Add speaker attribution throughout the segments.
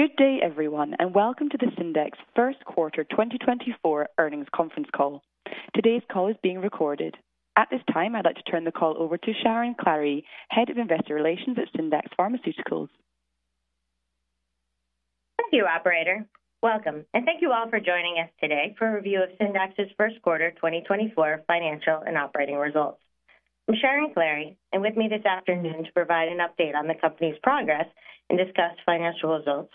Speaker 1: Good day, everyone, and welcome to the Syndax first quarter 2024 earnings conference call. Today's call is being recorded. At this time, I'd like to turn the call over to Sharon Klahre, Head of Investor Relations at Syndax Pharmaceuticals.
Speaker 2: Thank you, operator. Welcome, and thank you all for joining us today for a review of Syndax's first quarter 2024 financial and operating results. I'm Sharon Klahre, and with me this afternoon to provide an update on the company's progress and discuss financial results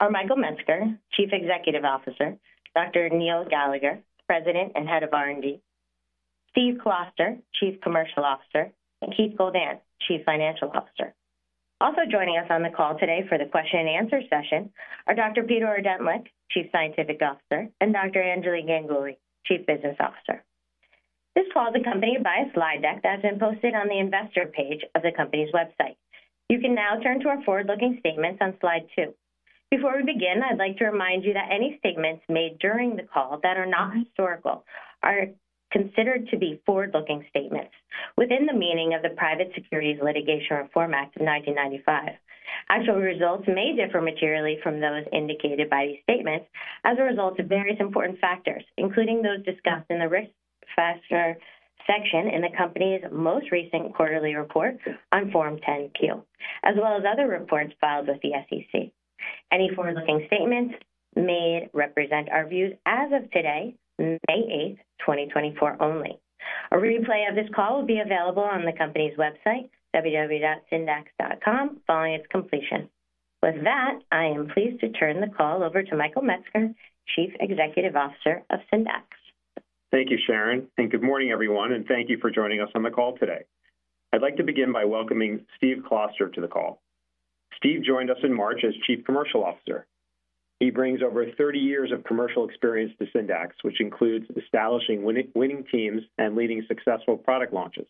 Speaker 2: are Michael Metzger, Chief Executive Officer, Dr. Neil Gallagher, President and Head of R&D, Steve Kloster, Chief Commercial Officer, and Keith Goldan, Chief Financial Officer. Also joining us on the call today for the question and answer session are Dr. Peter Ordentlich, Chief Scientific Officer, and Dr. Anjali Ganguly, Chief Business Officer. This call is accompanied by a slide deck that's been posted on the investor page of the company's website. You can now turn to our forward-looking statements on slide 2. Before we begin, I'd like to remind you that any statements made during the call that are not historical are considered to be forward-looking statements within the meaning of the Private Securities Litigation Reform Act of 1995. Actual results may differ materially from those indicated by these statements as a result of various important factors, including those discussed in the Risk Factors section in the company's most recent quarterly report on Form 10-Q, as well as other reports filed with the SEC. Any forward-looking statements made represent our views as of today, May 8, 2024 only. A replay of this call will be available on the company's website, www.syndax.com, following its completion. With that, I am pleased to turn the call over to Michael Metzger, Chief Executive Officer of Syndax.
Speaker 3: Thank you, Sharon, and good morning, everyone, and thank you for joining us on the call today. I'd like to begin by welcoming Steve Kloster to the call. Steve joined us in March as Chief Commercial Officer. He brings over 30 years of commercial experience to Syndax, which includes establishing winning teams and leading successful product launches.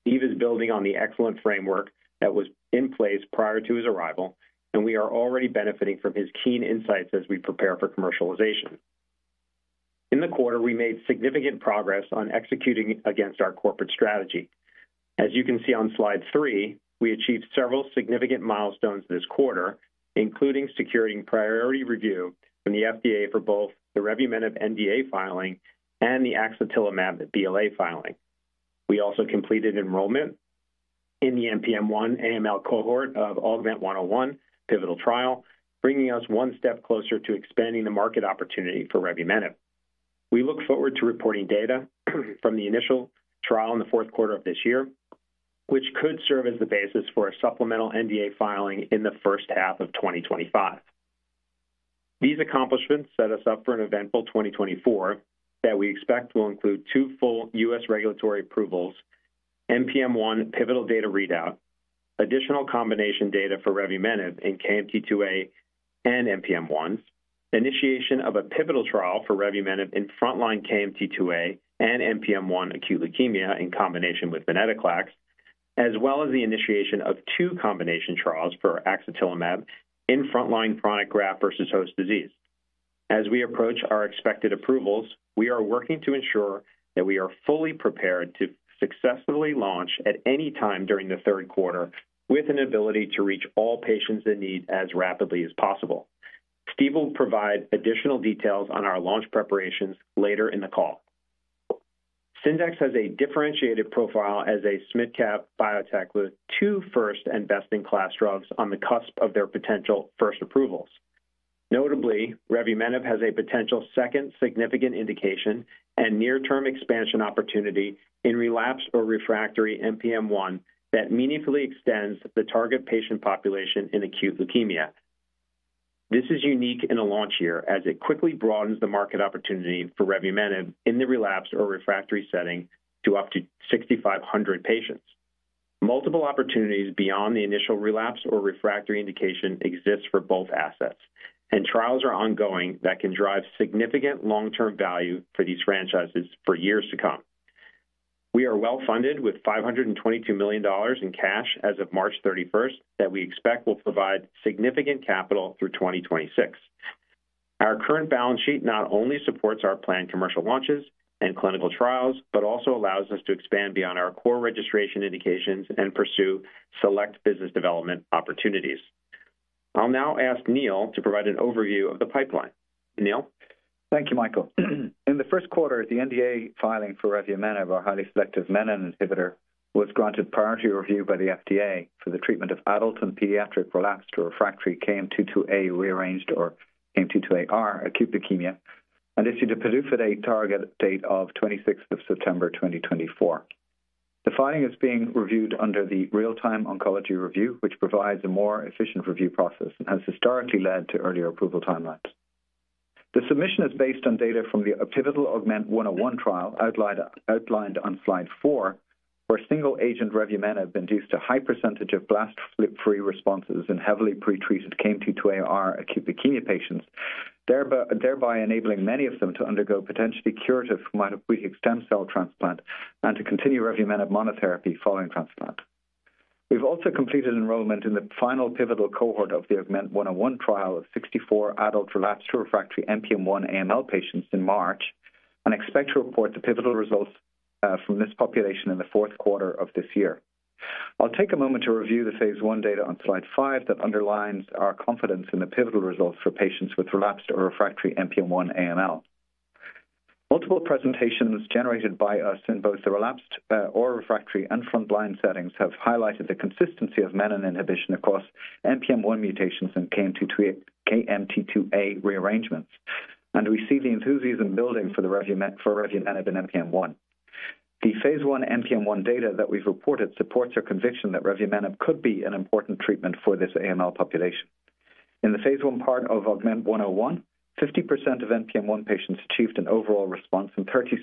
Speaker 3: Steve is building on the excellent framework that was in place prior to his arrival, and we are already benefiting from his keen insights as we prepare for commercialization. In the quarter, we made significant progress on executing against our corporate strategy. As you can see on slide three, we achieved several significant milestones this quarter, including securing priority review from the FDA for both the revumenib NDA filing and the axetilimab BLA filing. We also completed enrollment in the NPM1 AML cohort of AUGMENT-101 pivotal trial, bringing us one step closer to expanding the market opportunity for revumenib. We look forward to reporting data from the initial trial in the fourth quarter of this year, which could serve as the basis for a supplemental NDA filing in the first half of 2025. These accomplishments set us up for an eventful 2024 that we expect will include two full U.S. regulatory approvals, NPM1 pivotal data readout, additional combination data for revumenib in KMT2A and NPM1, initiation of a pivotal trial for revumenib in frontline KMT2A and NPM1 acute leukemia in combination with venetoclax, as well as the initiation of two combination trials for axetilimab in frontline chronic graft-versus-host disease. As we approach our expected approvals, we are working to ensure that we are fully prepared to successfully launch at any time during the third quarter, with an ability to reach all patients in need as rapidly as possible. Steve will provide additional details on our launch preparations later in the call. Syndax has a differentiated profile as a small-cap biotech with two first and best-in-class drugs on the cusp of their potential first approvals. Notably, revumenib has a potential second significant indication and near-term expansion opportunity in relapsed or refractory NPM1 that meaningfully extends the target patient population in acute leukemia. This is unique in a launch year as it quickly broadens the market opportunity for revumenib in the relapsed or refractory setting to up to 6,500 patients. Multiple opportunities beyond the initial relapse or refractory indication exist for both assets, and trials are ongoing that can drive significant long-term value for these franchises for years to come. We are well-funded with $522 million in cash as of March 31, that we expect will provide significant capital through 2026. Our current balance sheet not only supports our planned commercial launches and clinical trials, but also allows us to expand beyond our core registration indications and pursue select business development opportunities. I'll now ask Neil to provide an overview of the pipeline. Neil?
Speaker 4: Thank you, Michael. In the first quarter, the NDA filing for revumenib, our highly selective menin inhibitor, was granted priority review by the FDA for the treatment of adult and pediatric relapsed or refractory KMT2A-rearranged or KMT2Ar acute leukemia, and issued a PDUFA target date of September 26th, 2024. The filing is being reviewed under the Real-Time Oncology Review, which provides a more efficient review process and has historically led to earlier approval timelines. The submission is based on data from the pivotal AUGMENT-101 trial, outlined on slide 4, where single-agent revumenib induced a high percentage of blast-free responses in heavily pretreated KMT2Ar acute leukemia patients, thereby enabling many of them to undergo potentially curative hematopoietic stem cell transplant and to continue revumenib monotherapy following transplant. We've also completed enrollment in the final pivotal cohort of the AUGMENT-101 trial of 64 adult relapsed or refractory NPM1 AML patients in March, and expect to report the pivotal results from this population in the fourth quarter of this year. I'll take a moment to review the phase I data on slide 5 that underlines our confidence in the pivotal results for patients with relapsed or refractory NPM1 AML. Multiple presentations generated by us in both the relapsed or refractory and frontline settings have highlighted the consistency of menin inhibition across NPM1 mutations and KMT2A rearrangements, and we see the enthusiasm building for revumenib in NPM1. The phase I NPM1 data that we've reported supports our conviction that revumenib could be an important treatment for this AML population. In the phase I part of AUGMENT-101, 50% of NPM1 patients achieved an overall response, and 36%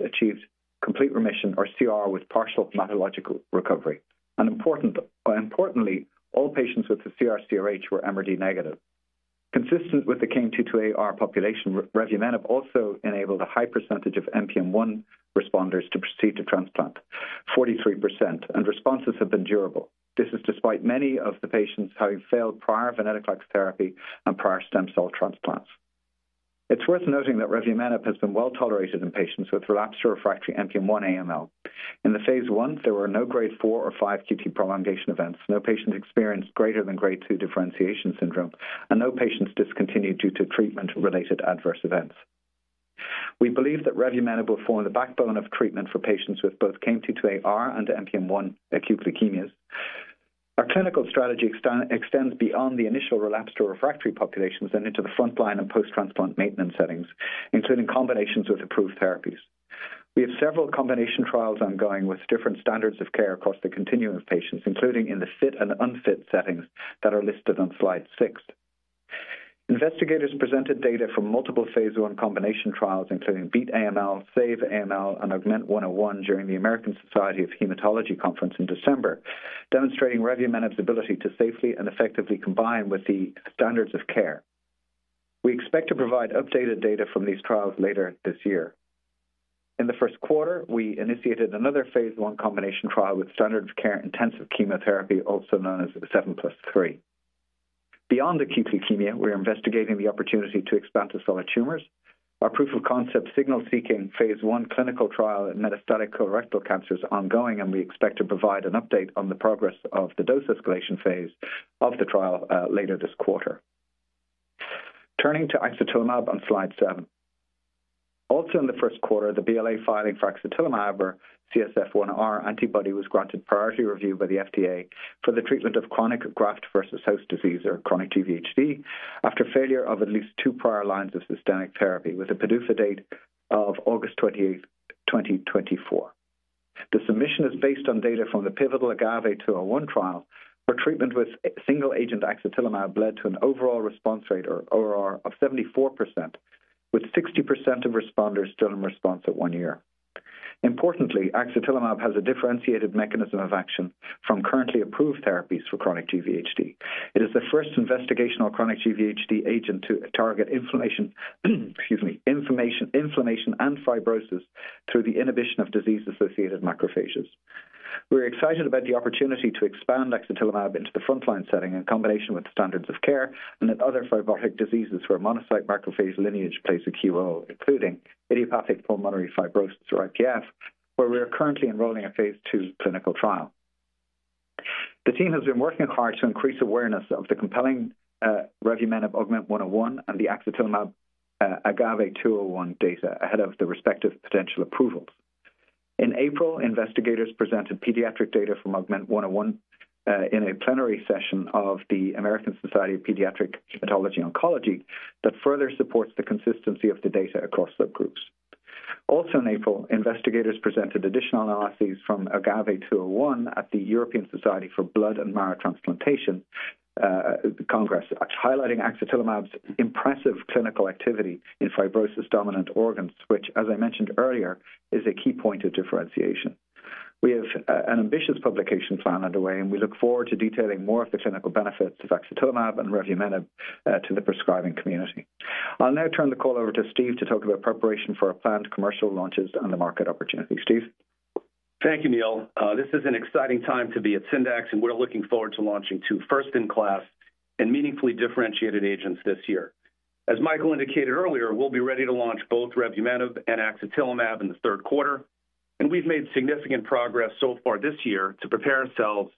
Speaker 4: achieved complete remission or CRh with partial hematologic recovery. Importantly, all patients with the CR/CRh were MRD negative. Consistent with the KMT2Ar population, revumenib also enabled a high percentage of NPM1 responders to proceed to transplant, 43%, and responses have been durable. This is despite many of the patients having failed prior venetoclax therapy and prior stem cell transplants. It's worth noting that revumenib has been well tolerated in patients with relapsed or refractory NPM1 AML. In the phase I, there were no grade IV or V QT prolongation events, no patient experienced greater than grade II differentiation syndrome, and no patients discontinued due to treatment-related adverse events. We believe that revumenib will form the backbone of treatment for patients with both KMT2Ar and NPM1 acute leukemias. Our clinical strategy extends beyond the initial relapsed or refractory populations and into the frontline and post-transplant maintenance settings, including combinations with approved therapies. We have several combination trials ongoing with different standards of care across the continuum of patients, including in the fit and unfit settings that are listed on slide 6. Investigators presented data from multiple phase I combination trials, including BEAT-AML, SAVE-AML, and AUGMENT-101 during the American Society of Hematology Conference in December, demonstrating revumenib's ability to safely and effectively combine with the standards of care. We expect to provide updated data from these trials later this year. In the first quarter, we initiated another phase I combination trial with standard of care intensive chemotherapy, also known as the 7+3. Beyond acute leukemia, we're investigating the opportunity to expand to solid tumors. Our proof-of-concept signal-seeking phase I clinical trial in metastatic colorectal cancer is ongoing, and we expect to provide an update on the progress of the dose escalation phase of the trial, later this quarter. Turning to axetilimab on slide 7. Also in the first quarter, the BLA filing for axetilimab or CSF1R antibody was granted priority review by the FDA for the treatment of chronic graft-versus-host-disease or chronic GVHD, after failure of at least two prior lines of systemic therapy with a PDUFA date of August 28, 2024. The submission is based on data from the pivotal AGAVE-201 trial, where treatment with a single-agent axetilimab led to an overall response rate, or ORR, of 74%, with 60% of responders still in response at 1 year. Importantly, axetilimab has a differentiated mechanism of action from currently approved therapies for chronic GVHD. It is the first investigational chronic GVHD agent to target inflammation and fibrosis through the inhibition of disease-associated macrophages. We're excited about the opportunity to expand axetilimab into the frontline setting in combination with the standards of care and that other fibrotic diseases where monocyte macrophage lineage plays a key role, including idiopathic pulmonary fibrosis or IPF, where we are currently enrolling a phase II clinical trial. The team has been working hard to increase awareness of the compelling revumenib AUGMENT-101 and the axetilimab AGAVE-201 data ahead of the respective potential approvals. In April, investigators presented pediatric data from AUGMENT-101 in a plenary session of the American Society of Pediatric Hematology/Oncology that further supports the consistency of the data across the groups. Also in April, investigators presented additional analyses from AGAVE-201 at the European Society for Blood and Marrow Transplantation Congress, highlighting axetilimab's impressive clinical activity in fibrosis-dominant organs, which, as I mentioned earlier, is a key point of differentiation. We have an ambitious publication plan underway, and we look forward to detailing more of the clinical benefits of axetilimab and revumenib to the prescribing community. I'll now turn the call over to Steve to talk about preparation for our planned commercial launches and the market opportunity. Steve?
Speaker 5: Thank you, Neil. This is an exciting time to be at Syndax, and we're looking forward to launching two first-in-class and meaningfully differentiated agents this year. As Michael indicated earlier, we'll be ready to launch both revumenib and axetilimab in the third quarter, and we've made significant progress so far this year to prepare ourselves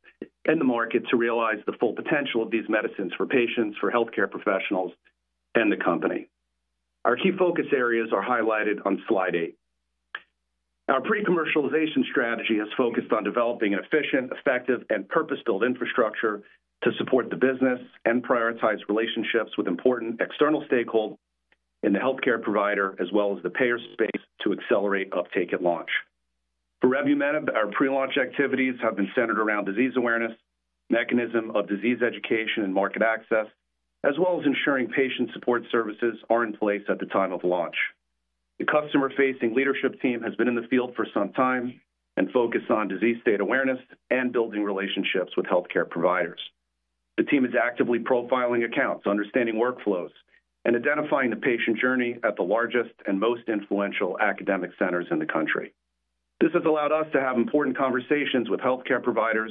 Speaker 5: and the market to realize the full potential of these medicines for patients, for healthcare professionals, and the company. Our key focus areas are highlighted on slide eight. Our pre-commercialization strategy has focused on developing an efficient, effective, and purpose-built infrastructure to support the business and prioritize relationships with important external stakeholders in the healthcare provider as well as the payer space to accelerate uptake at launch. For revumenib, our pre-launch activities have been centered around disease awareness, mechanism of disease education, and market access, as well as ensuring patient support services are in place at the time of launch. The customer-facing leadership team has been in the field for some time and focused on disease state awareness and building relationships with healthcare providers. The team is actively profiling accounts, understanding workflows, and identifying the patient journey at the largest and most influential academic centers in the country. This has allowed us to have important conversations with healthcare providers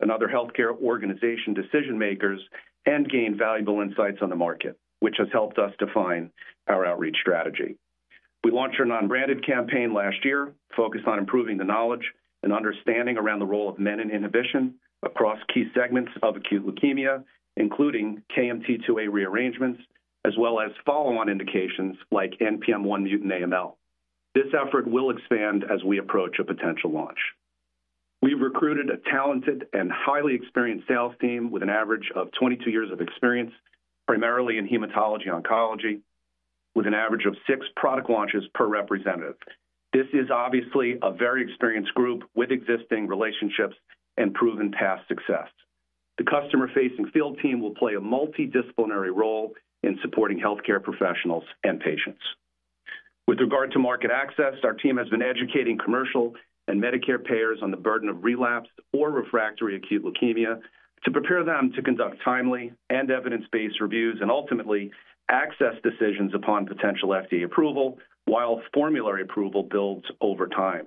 Speaker 5: and other healthcare organization decision-makers, and gain valuable insights on the market, which has helped us define our outreach strategy. We launched our non-branded campaign last year, focused on improving the knowledge and understanding around the role of menin inhibition across key segments of acute leukemia, including KMT2A rearrangements, as well as follow-on indications like NPM1 mutant AML. This effort will expand as we approach a potential launch. We've recruited a talented and highly experienced sales team with an average of 22 years of experience, primarily in hematology oncology, with an average of six product launches per representative. This is obviously a very experienced group with existing relationships and proven past success. The customer-facing field team will play a multidisciplinary role in supporting healthcare professionals and patients. With regard to market access, our team has been educating commercial and Medicare payers on the burden of relapsed or refractory acute leukemia to prepare them to conduct timely and evidence-based reviews and ultimately, access decisions upon potential FDA approval, while formulary approval builds over time.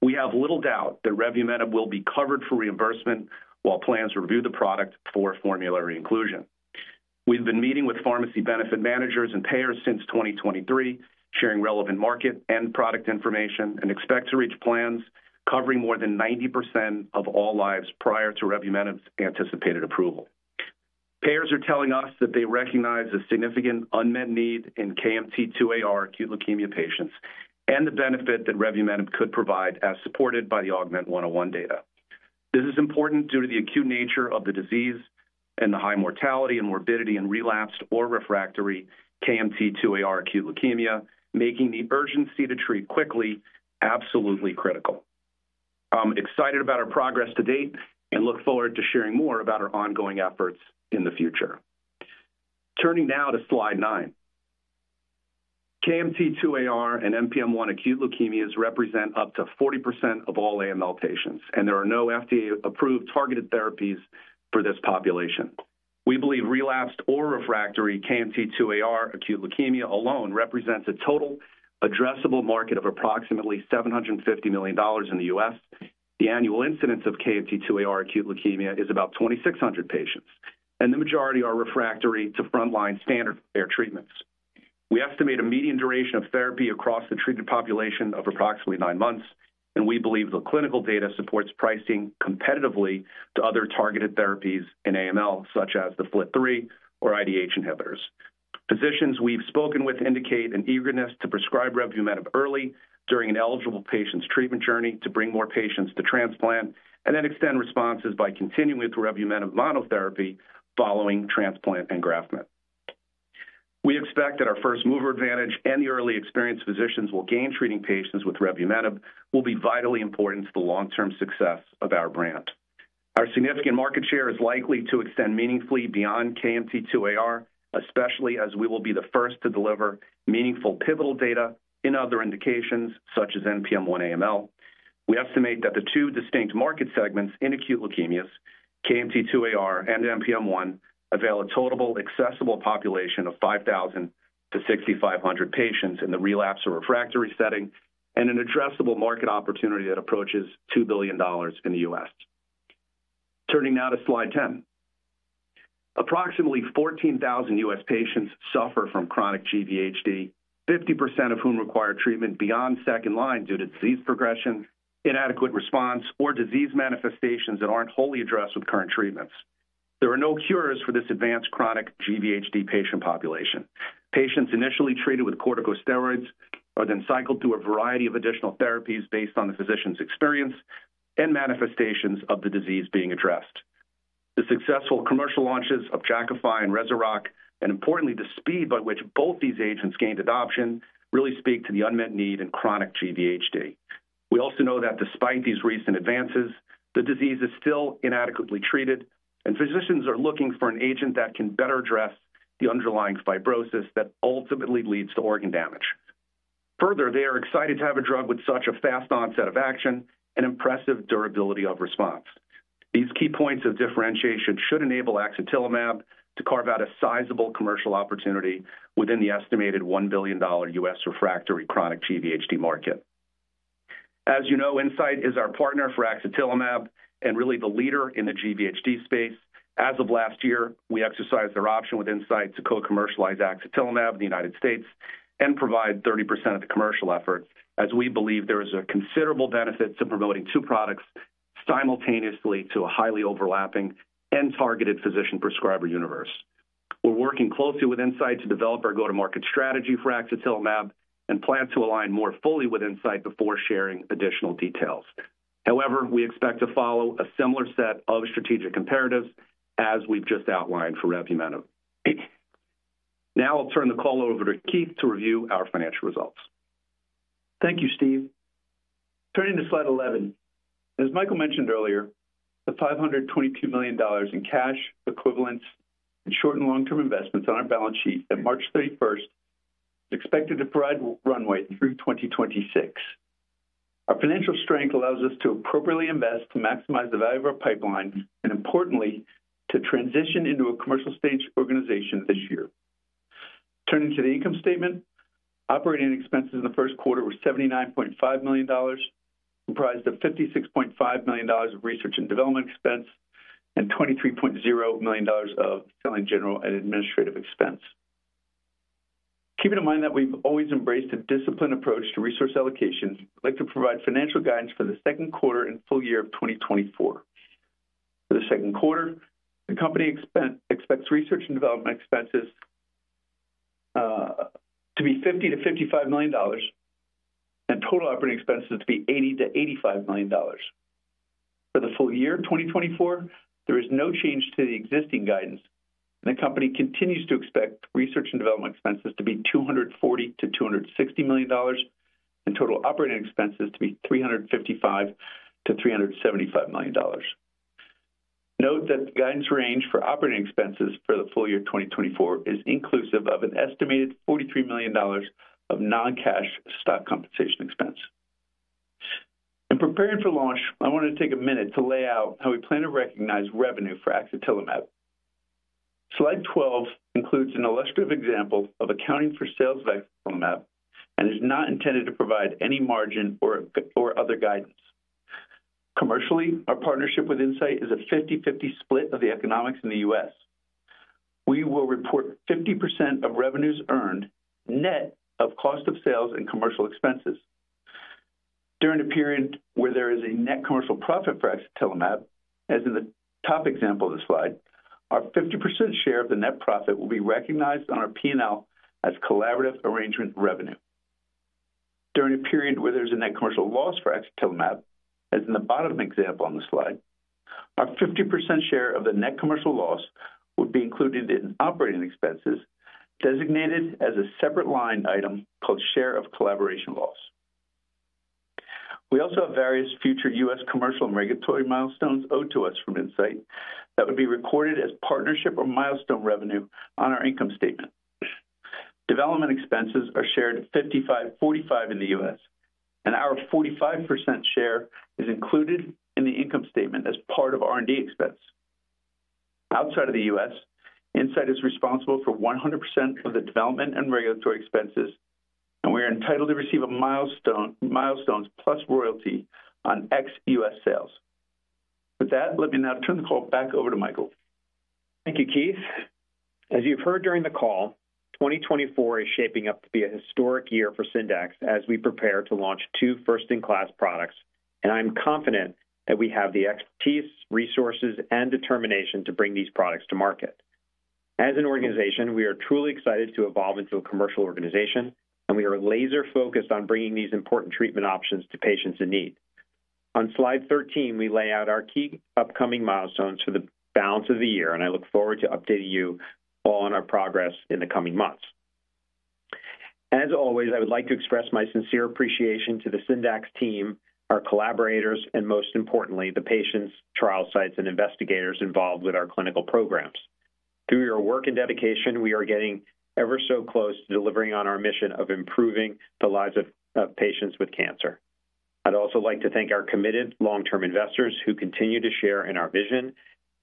Speaker 5: We have little doubt that revumenib will be covered for reimbursement while plans review the product for formulary inclusion. We've been meeting with pharmacy benefit managers and payers since 2023, sharing relevant market and product information, and expect to reach plans covering more than 90% of all lives prior to revumenib's anticipated approval. Payers are telling us that they recognize a significant unmet need in KMT2Ar acute leukemia patients, and the benefit that revumenib could provide, as supported by the AUGMENT-101 data. This is important due to the acute nature of the disease and the high mortality and morbidity in relapsed or refractory KMT2Ar acute leukemia, making the urgency to treat quickly absolutely critical. I'm excited about our progress to date and look forward to sharing more about our ongoing efforts in the future. Turning now to slide 9. KMT2Ar and NPM1 acute leukemias represent up to 40% of all AML patients, and there are no FDA-approved targeted therapies for this population. We believe relapsed or refractory KMT2Ar acute leukemia alone represents a total addressable market of approximately $750 million in the U.S. The annual incidence of KMT2Ar acute leukemia is about 2,600 patients, and the majority are refractory to frontline standard of care treatments. We estimate a median duration of therapy across the treated population of approximately nine months, and we believe the clinical data supports pricing competitively to other targeted therapies in AML, such as the FLT3 or IDH inhibitors. Physicians we've spoken with indicate an eagerness to prescribe revumenib early during an eligible patient's treatment journey to bring more patients to transplant, and then extend responses by continuing with revumenib monotherapy following transplant engraftment. We expect that our first mover advantage and the early experience physicians will gain treating patients with revumenib will be vitally important to the long-term success of our brand. Our significant market share is likely to extend meaningfully beyond KMT2Ar, especially as we will be the first to deliver meaningful pivotal data in other indications, such as NPM1-AML. We estimate that the two distinct market segments in acute leukemias, KMT2Ar and NPM1, avail a total accessible population of 5,000-6,500 patients in the relapse or refractory setting, and an addressable market opportunity that approaches $2 billion in the U.S. Turning now to slide 10. Approximately 14,000 U.S. patients suffer from chronic GVHD, 50% of whom require treatment beyond second line due to disease progression, inadequate response, or disease manifestations that aren't wholly addressed with current treatments. There are no cures for this advanced chronic GVHD patient population. Patients initially treated with corticosteroids are then cycled through a variety of additional therapies based on the physician's experience and manifestations of the disease being addressed. The successful commercial launches of Jakafi and Rezurock, and importantly, the speed by which both these agents gained adoption, really speak to the unmet need in chronic GVHD. We also know that despite these recent advances, the disease is still inadequately treated, and physicians are looking for an agent that can better address the underlying fibrosis that ultimately leads to organ damage. Further, they are excited to have a drug with such a fast onset of action and impressive durability of response. These key points of differentiation should enable axetilimab to carve out a sizable commercial opportunity within the estimated $1 billion U.S. refractory chronic GVHD market. As you know, Incyte is our partner for axetilimab and really the leader in the GVHD space. As of last year, we exercised our option with Incyte to co-commercialize axetilimab in the United States and provide 30% of the commercial effort, as we believe there is a considerable benefit to promoting two products simultaneously to a highly overlapping and targeted physician prescriber universe. We're working closely with Incyte to develop our go-to-market strategy for axetilimab, and plan to align more fully with Incyte before sharing additional details. However, we expect to follow a similar set of strategic comparatives as we've just outlined for revumenib. Now I'll turn the call over to Keith to review our financial results.
Speaker 6: Thank you, Steve. Turning to slide 11. As Michael mentioned earlier, the $522 million in cash equivalents and short- and long-term investments on our balance sheet at March 31 is expected to provide runway through 2026. Our financial strength allows us to appropriately invest to maximize the value of our pipeline, and importantly, to transition into a commercial stage organization this year. Turning to the income statement. Operating expenses in the first quarter were $79.5 million, comprised of $56.5 million of research and development expense, and $23.0 million of selling, general, and administrative expense. Keeping in mind that we've always embraced a disciplined approach to resource allocations, I'd like to provide financial guidance for the second quarter and full year of 2024. For the second quarter, the company expects research and development expenses to be $50 million-$55 million, and total operating expenses to be $80 million-$85 million. For the full year of 2024, there is no change to the existing guidance, and the company continues to expect research and development expenses to be $240 million-$260 million, and total operating expenses to be $355 million-$375 million. Note that the guidance range for operating expenses for the full year 2024 is inclusive of an estimated $43 million of non-cash stock compensation expense. In preparing for launch, I want to take a minute to lay out how we plan to recognize revenue for axetilimab. Slide 12 includes an illustrative example of accounting for sales of axetilimab, and is not intended to provide any margin or other guidance. Commercially, our partnership with Incyte is a 50/50 split of the economics in the U.S. We will report 50% of revenues earned, net of cost of sales and commercial expenses. During the period where there is a net commercial profit for axetilimab, as in the top example of the slide, our 50% share of the net profit will be recognized on our P&L as collaborative arrangement revenue. During a period where there's a net commercial loss for axetilimab, as in the bottom example on the slide, our 50% share of the net commercial loss would be included in operating expenses, designated as a separate line item called share of collaboration loss. We also have various future U.S. commercial and regulatory milestones owed to us from Incyte that would be recorded as partnership or milestone revenue on our income statement. Development expenses are shared 55/45 in the U.S., and our 45% share is included in the income statement as part of R&D expense. Outside of the U.S., Incyte is responsible for 100% of the development and regulatory expenses, and we are entitled to receive a milestone, milestones plus royalty on ex-U.S. sales. With that, let me now turn the call back over to Michael.
Speaker 3: Thank you, Keith. As you've heard during the call, 2024 is shaping up to be a historic year for Syndax as we prepare to launch two first-in-class products, and I'm confident that we have the expertise, resources, and determination to bring these products to market. As an organization, we are truly excited to evolve into a commercial organization, and we are laser-focused on bringing these important treatment options to patients in need. On slide 13, we lay out our key upcoming milestones for the balance of the year, and I look forward to updating you on our progress in the coming months. As always, I would like to express my sincere appreciation to the Syndax team, our collaborators, and most importantly, the patients, trial sites, and investigators involved with our clinical programs. Through your work and dedication, we are getting ever so close to delivering on our mission of improving the lives of patients with cancer. I'd also like to thank our committed long-term investors who continue to share in our vision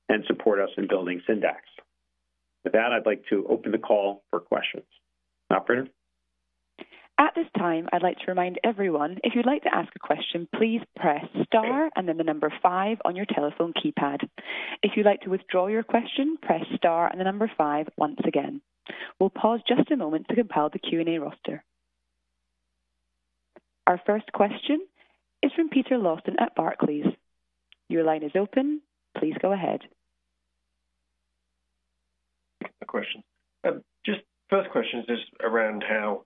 Speaker 3: and support us in building Syndax. With that, I'd like to open the call for questions. Operator?
Speaker 1: At this time, I'd like to remind everyone, if you'd like to ask a question, please press star and then the number five on your telephone keypad. If you'd like to withdraw your question, press star and the number five once again. We'll pause just a moment to compile the Q&A roster. Our first question is from Peter Lawson at Barclays. Your line is open. Please go ahead.
Speaker 7: A question. Just first question is just around how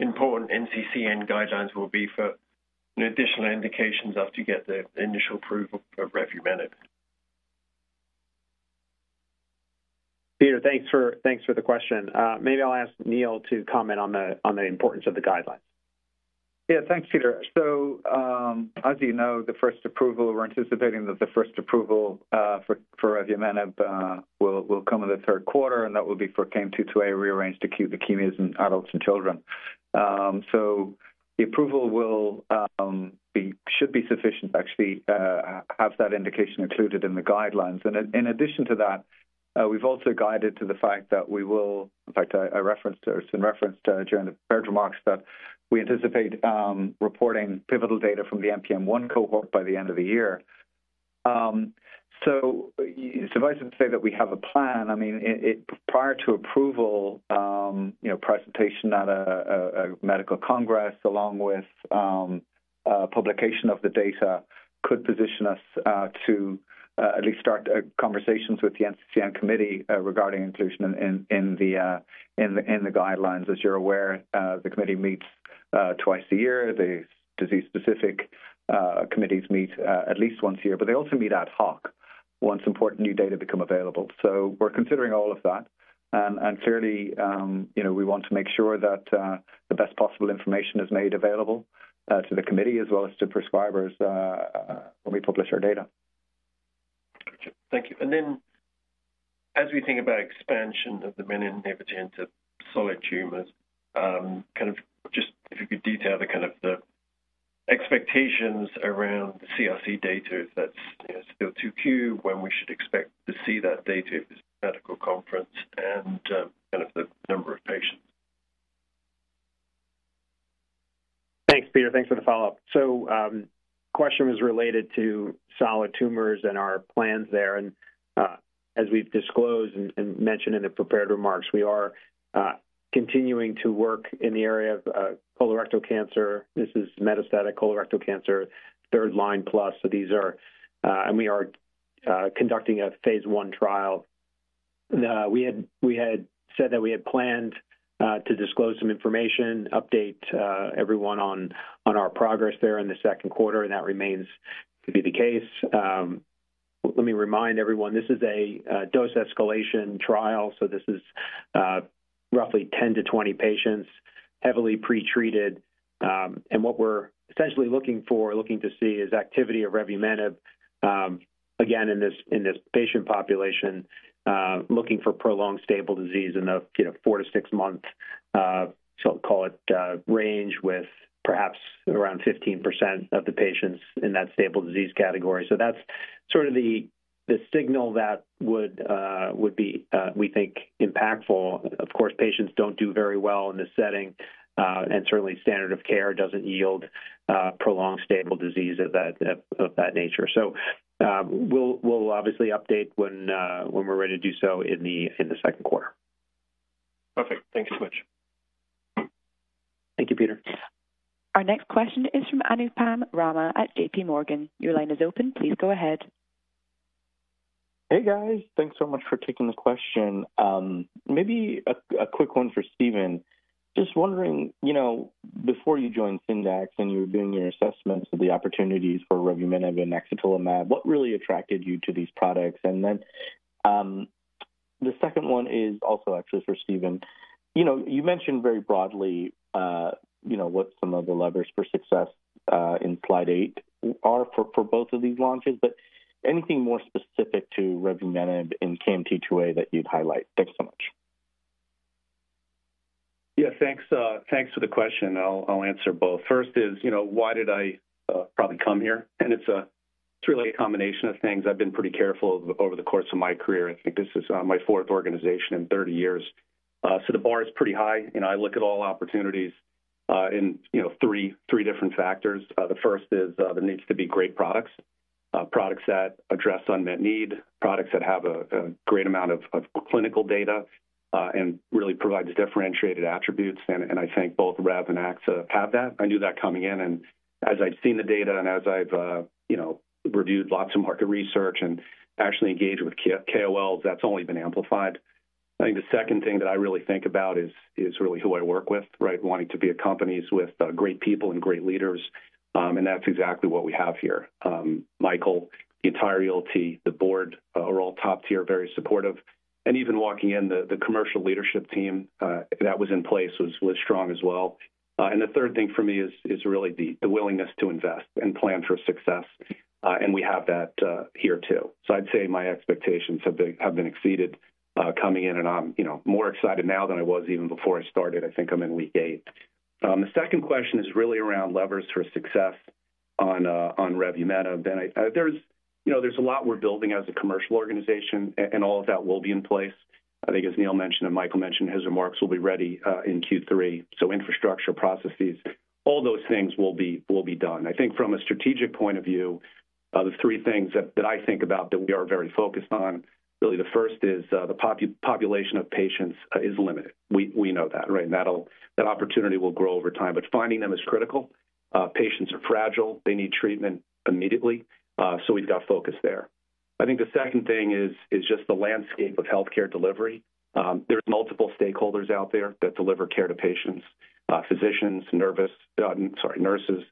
Speaker 7: important NCCN guidelines will be for additional indications after you get the initial approval of revumenib?
Speaker 3: Peter, thanks for the question. Maybe I'll ask Neil to comment on the importance of the guidelines.
Speaker 4: Yeah, thanks, Peter. So, as you know, the first approval we're anticipating for revumenib will come in the third quarter, and that will be for KMT2A rearranged acute leukemias in adults and children. So the approval should be sufficient to actually have that indication included in the guidelines. And in addition to that, we've also guided to the fact that we will. In fact, I referenced, there was some reference to during the prepared remarks that we anticipate reporting pivotal data from the NPM1 cohort by the end of the year. So suffice it to say that we have a plan. I mean, it prior to approval, you know, presentation at a medical congress, along with publication of the data, could position us to at least start conversations with the NCCN committee regarding inclusion in the guidelines. As you're aware, the committee meets twice a year. The disease-specific committees meet at least once a year, but they also meet ad hoc once important new data become available. So we're considering all of that. And clearly, you know, we want to make sure that the best possible information is made available to the committee as well as to prescribers when we publish our data.
Speaker 7: Thank you. And then as we think about expansion of the menin inhibitor to solid tumors, if you could detail the kind of the expectations around the CRC data, if that's, you know, still too early, when we should expect to see that data at this medical conference and, kind of the number of patients?
Speaker 4: Thanks, Peter. Thanks for the follow-up. So, question was related to solid tumors and our plans there. And, as we've disclosed and mentioned in the prepared remarks, we are continuing to work in the area of colorectal cancer. This is metastatic colorectal cancer, third line plus. So these are, and we are conducting a phase I trial. We had said that we had planned to disclose some information, update everyone on our progress there in the second quarter, and that remains to be the case. Let me remind everyone, this is a dose escalation trial, so this is roughly 10-20 patients, heavily pretreated. And what we're essentially looking for, looking to see, is activity of revumenib, again, in this, in this patient population, looking for prolonged stable disease in the, you know, 4-6 month range, so call it, with perhaps around 15% of the patients in that stable disease category. So that's sort of the, the signal that would, would be, we think, impactful. Of course, patients don't do very well in this setting, and certainly standard of care doesn't yield, prolonged stable disease of that, of, of that nature. So, we'll, we'll obviously update when, when we're ready to do so in the, in the second quarter.
Speaker 7: Perfect. Thank you so much.
Speaker 3: Thank you, Peter.
Speaker 1: Our next question is from Anupam Rama at J.P. Morgan. Your line is open. Please go ahead.
Speaker 8: Hey, guys. Thanks so much for taking the question. Maybe a quick one for Steve. Just wondering, you know, before you joined Syndax and you were doing your assessments of the opportunities for revumenib and axetilimab, what really attracted you to these products? And then, the second one is also actually for Steve. You know, you mentioned very broadly, you know, what some of the levers for success in slide eight are for both of these launches, but anything more specific to revumenib in KMT2A that you'd highlight? Thanks so much.
Speaker 5: Yeah, thanks for the question. I'll answer both. First is, you know, why did I probably come here? And it's really a combination of things. I've been pretty careful over the course of my career. I think this is my fourth organization in 30 years, so the bar is pretty high, and I look at all opportunities in, you know, three different factors. The first is there needs to be great products, products that address unmet need, products that have a great amount of clinical data, and really provides differentiated attributes. And I think both rev and axa have that. I knew that coming in, and as I've seen the data and as I've you know, reviewed lots of market research and actually engaged with KOLs, that's only been amplified. I think the second thing that I really think about is really who I work with, right? Wanting to be at companies with great people and great leaders, and that's exactly what we have here. Michael, the entire ELT, the board, are all top tier, very supportive, and even walking in, the commercial leadership team that was in place was strong as well. And the third thing for me is really the willingness to invest and plan for success, and we have that here too. So I'd say my expectations have been exceeded, coming in, and I'm, you know, more excited now than I was even before I started. I think I'm in week eight. The second question is really around levers for success on revumenib. I, there's, you know, there's a lot we're building as a commercial organization, and all of that will be in place. I think as Neil mentioned, and Michael mentioned, his remarks will be ready in Q3. So infrastructure, processes, all those things will be done. I think from a strategic point of view, the three things that I think about, that we are very focused on, really the first is the population of patients is limited. We know that, right? And that'll, that opportunity will grow over time, but finding them is critical. Patients are fragile. They need treatment immediately, so we've got focus there. I think the second thing is just the landscape of healthcare delivery. There's multiple stakeholders out there that deliver care to patients, physicians, nervous, sorry, nurses,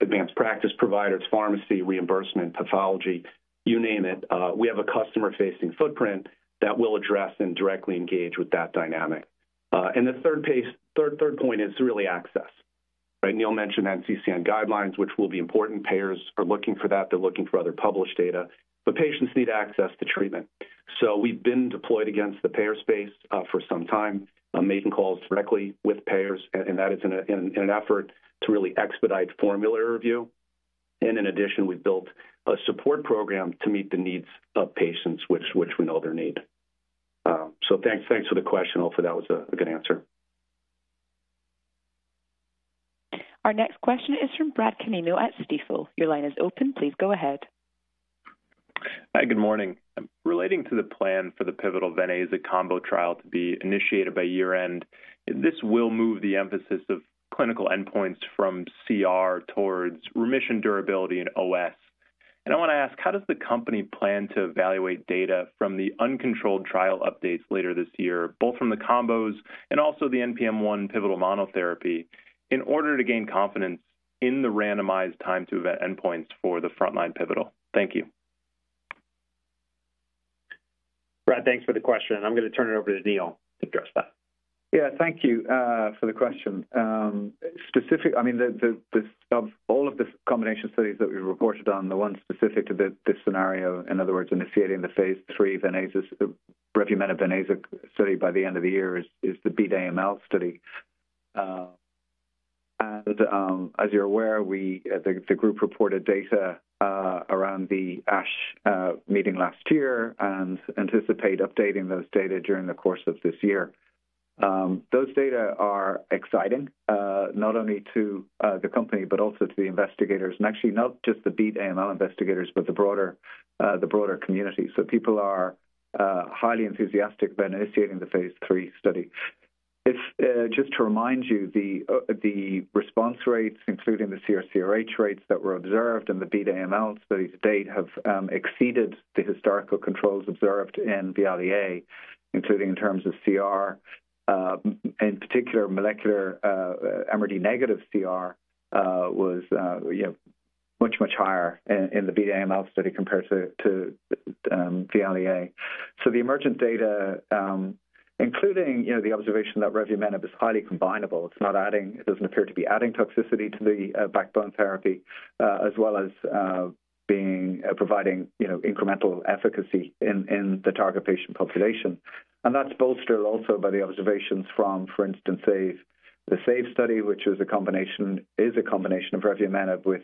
Speaker 5: advanced practice providers, pharmacy, reimbursement, pathology, you name it. We have a customer-facing footprint that will address and directly engage with that dynamic. And the third point is really access, right? Neil mentioned NCCN guidelines, which will be important. Payers are looking for that. They're looking for other published data, but patients need access to treatment. So we've been deployed against the payer space, for some time, making calls directly with payers, and that is in an effort to really expedite formulary review. And in addition, we've built a support program to meet the needs of patients, which we know they need. So thanks for the question. Hopefully, that was a good answer.
Speaker 1: Our next question is from Brad Canino at Stifel. Your line is open. Please go ahead.
Speaker 9: Hi, good morning. Relating to the plan for the pivotal revumenib combo trial to be initiated by year-end, this will move the emphasis of clinical endpoints from CR towards remission durability and OS. And I want to ask, how does the company plan to evaluate data from the uncontrolled trial updates later this year, both from the combos and also the NPM1 pivotal monotherapy, in order to gain confidence in the randomized time to event endpoints for the frontline pivotal? Thank you.
Speaker 3: Brad, thanks for the question. I'm going to turn it over to Neil to address that.
Speaker 4: Yeah, thank you for the question. I mean, of all of the combination studies that we reported on, the one specific to this scenario, in other words, initiating the phase III venetoclax revumenib study by the end of the year is the BEAT-AML study. And, as you're aware, we, the, the group reported data, around the ASH, meeting last year and anticipate updating those data during the course of this year. Those data are exciting, not only to, the company, but also to the investigators, and actually not just the BEAT-AML investigators, but the broader, the broader community. So people are, highly enthusiastic about initiating the phase III study. If, just to remind you, the, the response rates, including the CR/CRh rates that were observed in the BEAT-AML study to date, have, exceeded the historical controls observed in the VIALE-A, including in terms of CR. In particular, molecular, MRD-negative CR, was, you know, much, much higher in, in the BEAT-AML study compared to, to, the VIALE-A. So the emergent data, including, you know, the observation that revumenib is highly combinable. It's not adding... It doesn't appear to be adding toxicity to the, backbone therapy, as well as, being, providing, you know, incremental efficacy in the target patient population. And that's bolstered also by the observations from, for instance, say, the SAVE study, which is a combination, is a combination of revumenib with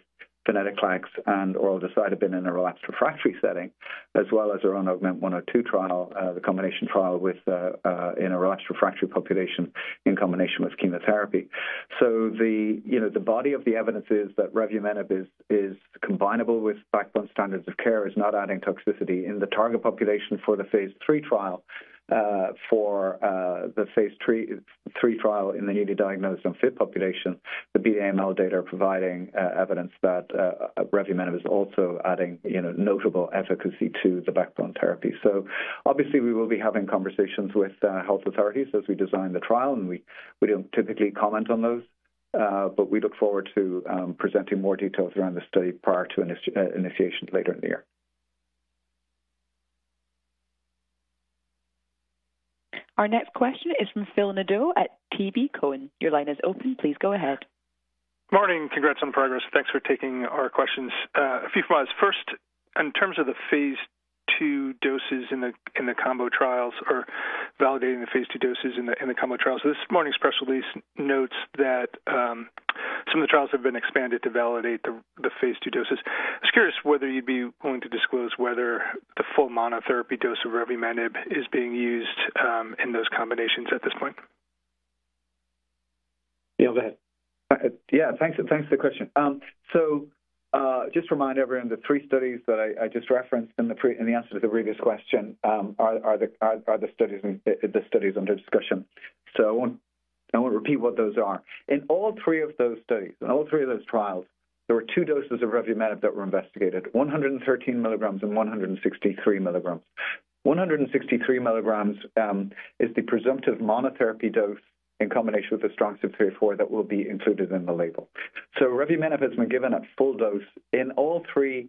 Speaker 4: venetoclax and oral decitabine in a relapsed refractory setting, as well as our own AUGMENT-102 trial, the combination trial with, in a relapsed refractory population in combination with chemotherapy. So the, you know, the body of the evidence is that revumenib is combinable with backbone standards of care, is not adding toxicity in the target population for the phase III trial. For the phase III trial in the newly diagnosed and fit population, the BEAT-AML data are providing evidence that revumenib is also adding, you know, notable efficacy to the backbone therapy. So obviously, we will be having conversations with health authorities as we design the trial, and we don't typically comment on those, but we look forward to presenting more details around the study prior to initiation later in the year.
Speaker 1: Our next question is from Phil Nadeau at TD Cowen. Your line is open. Please go ahead.
Speaker 10: Morning. Congrats on progress. Thanks for taking our questions. A few from us. First, in terms of the phase II doses in the combo trials or validating the phase II doses in the combo trials, this morning's press release notes that some of the trials have been expanded to validate the phase II doses. I was curious whether you'd be willing to disclose whether the full monotherapy dose of revumenib is being used in those combinations at this point?
Speaker 3: Neil, go ahead.
Speaker 4: Yeah, thanks. Thanks for the question. So, just remind everyone, the three studies that I just referenced in the answer to the previous question are the studies under discussion. So I won't repeat what those are. In all three of those studies, in all three of those trials, there were two doses of revumenib that were investigated, 113 mg and 163 mg. 163 mg is the presumptive monotherapy dose in combination with azacitidine that will be included in the label. So revumenib has been given at full dose in all three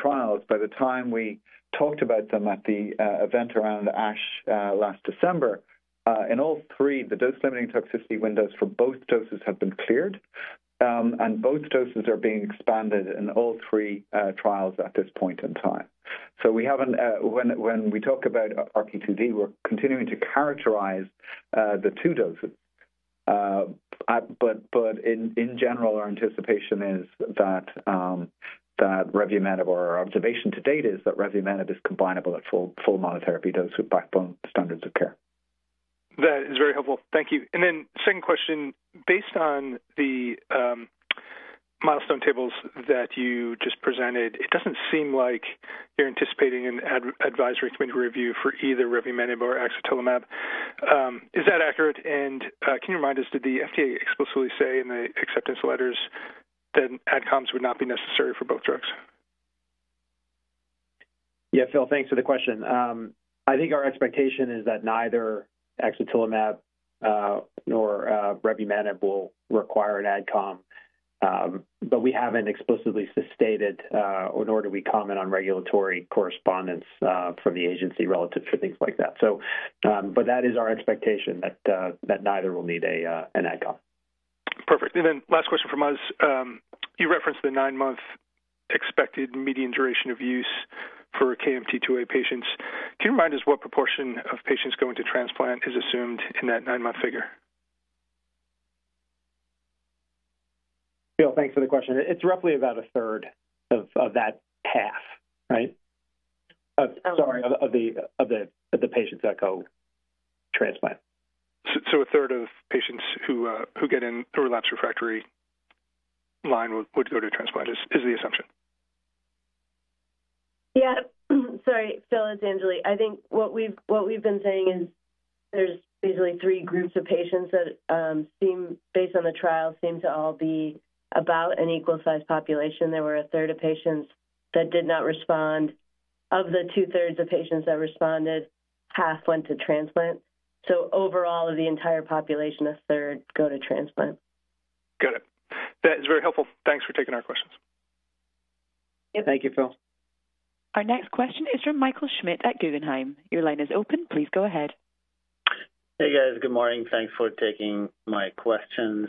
Speaker 4: trials by the time we talked about them at the event around ASH last December. In all three, the dose-limiting toxicity windows for both doses have been cleared, and both doses are being expanded in all three trials at this point in time. So we haven't... When we talk about RP2D, we're continuing to characterize the two doses. But in general, our anticipation is that revumenib, or our observation to date, is that revumenib is combinable at full monotherapy dose with backbone standards of care.
Speaker 10: That is very helpful. Thank you. And then second question: Based on the milestone tables that you just presented, it doesn't seem like you're anticipating an advisory committee review for either revumenib or axetilimab. Is that accurate? And can you remind us, did the FDA explicitly say in the acceptance letters that AdComm would not be necessary for both drugs?
Speaker 3: Yeah, Phil, thanks for the question. I think our expectation is that neither axetilimab nor revumenib will require an AdComm, but we haven't explicitly stated, nor do we comment on regulatory correspondence from the agency relative to things like that. So, but that is our expectation, that neither will need an AdComm.
Speaker 10: Perfect. And then last question from us. You referenced the nine-month expected median duration of use for KMT2A patients. Can you remind us what proportion of patients going to transplant is assumed in that nine-month figure?
Speaker 3: Phil, thanks for the question. It's roughly about a third of that path, right?
Speaker 10: Um-
Speaker 3: Sorry, of the patients that go transplant.
Speaker 10: So, a third of patients who get in through a relapse refractory line would go to transplant, is the assumption?
Speaker 11: Yeah. Sorry, Phil, it's Anjali. I think what we've, what we've been saying is there's basically three groups of patients that seem, based on the trial, seem to all be about an equal-sized population. There were a third of patients that did not respond. Of the 2/3 of patients that responded, half went to transplant. So overall, of the entire population, a third go to transplant.
Speaker 10: Got it. That is very helpful. Thanks for taking our questions.
Speaker 11: Yep. Thank you, Phil.
Speaker 1: Our next question is from Michael Schmidt at Guggenheim. Your line is open. Please go ahead.
Speaker 12: Hey, guys. Good morning. Thanks for taking my questions.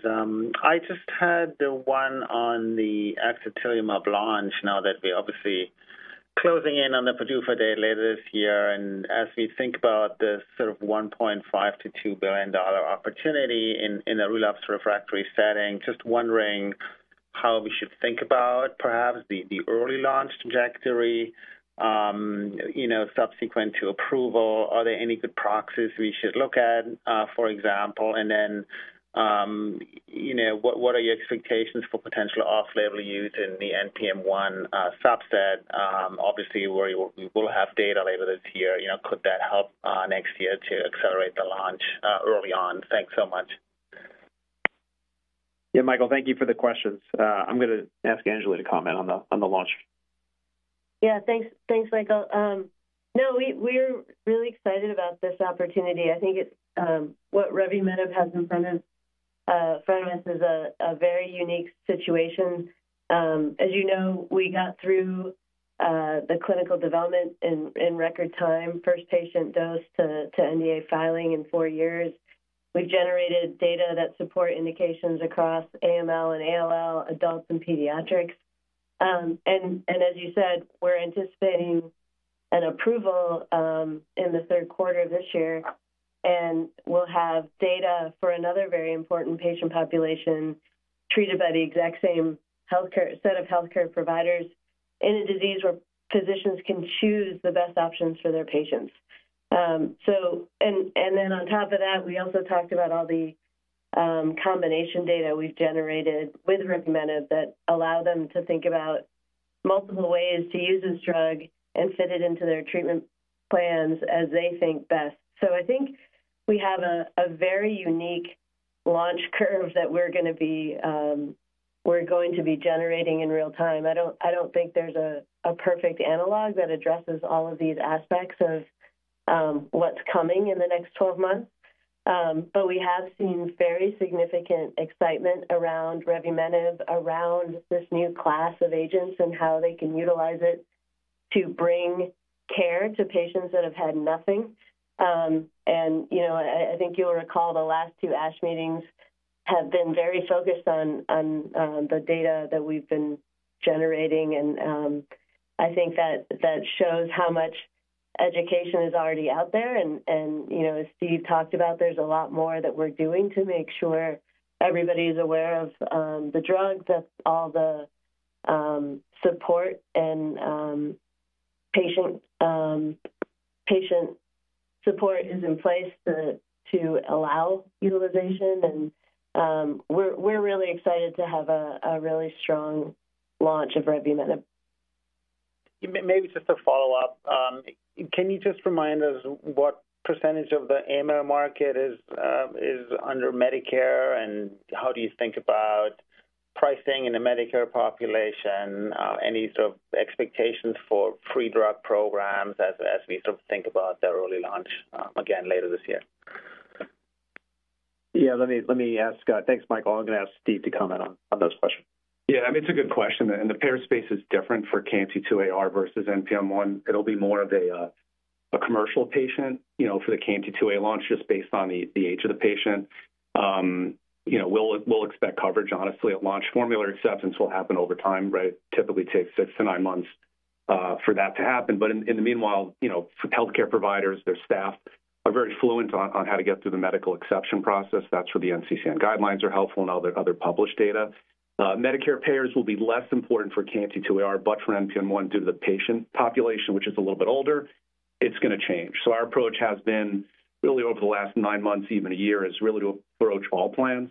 Speaker 12: I just had the one on the axetilimab launch, now that we obviously closing in on the PDUFA date later this year, and as we think about the sort of $1.5 billion-$2 billion opportunity in a relapsed refractory setting, just wondering how we should think about perhaps the early launch trajectory, you know, subsequent to approval. Are there any good proxies we should look at, for example? And then, you know, what are your expectations for potential off-label use in the NPM1 subset? Obviously, where you will have data later this year, you know, could that help next year to accelerate the launch early on? Thanks so much.
Speaker 3: Yeah, Michael, thank you for the questions. I'm gonna ask Anjali to comment on the launch.
Speaker 11: Yeah. Thanks. Thanks, Michael. No, we're really excited about this opportunity. I think it's what revumenib has in front of us is a very unique situation. As you know, we got through the clinical development in record time, first patient dose to NDA filing in four years. We've generated data that support indications across AML and ALL, adults and pediatrics. And as you said, we're anticipating an approval in the third quarter of this year, and we'll have data for another very important patient population treated by the exact same set of healthcare providers in a disease where physicians can choose the best options for their patients. And then on top of that, we also talked about all the combination data we've generated with revumenib that allow them to think about multiple ways to use this drug and fit it into their treatment plans as they think best. So I think we have a very unique launch curve that we're gonna be, we're going to be generating in real time. I don't think there's a perfect analog that addresses all of these aspects of what's coming in the next 12 months. But we have seen very significant excitement around revumenib, around this new class of agents and how they can utilize it to bring care to patients that have had nothing. And you know, I think you'll recall the last two ASH meetings have been very focused on the data that we've been generating, and I think that shows how much education is already out there. And you know, as Steve talked about, there's a lot more that we're doing to make sure everybody is aware of the drug, that all the support and patient support is in place to allow utilization. And we're really excited to have a really strong launch of revumenib.
Speaker 12: Maybe just a follow-up. Can you just remind us what percentage of the AML market is under Medicare, and how do you think about pricing in the Medicare population? Any sort of expectations for free drug programs as we sort of think about the early launch, again, later this year?
Speaker 3: Yeah. Let me, let me ask. Thanks, Michael. I'm gonna ask Steve to comment on, on those questions.
Speaker 5: Yeah, I mean, it's a good question, and the payer space is different for KMT2Ar versus NPM1. It'll be more of a commercial patient, you know, for the KMT2A launch, just based on the age of the patient. You know, we'll expect coverage honestly at launch. Formulary acceptance will happen over time, but it typically takes 6-9 months for that to happen. But in the meanwhile, you know, healthcare providers, their staff are very fluent on how to get through the medical exception process. That's where the NCCN guidelines are helpful and other published data. Medicare payers will be less important for KMT2Ar, but for NPM1, due to the patient population, which is a little bit older, it's gonna change. So our approach has been really over the last nine months, even a year, is really to approach all plans.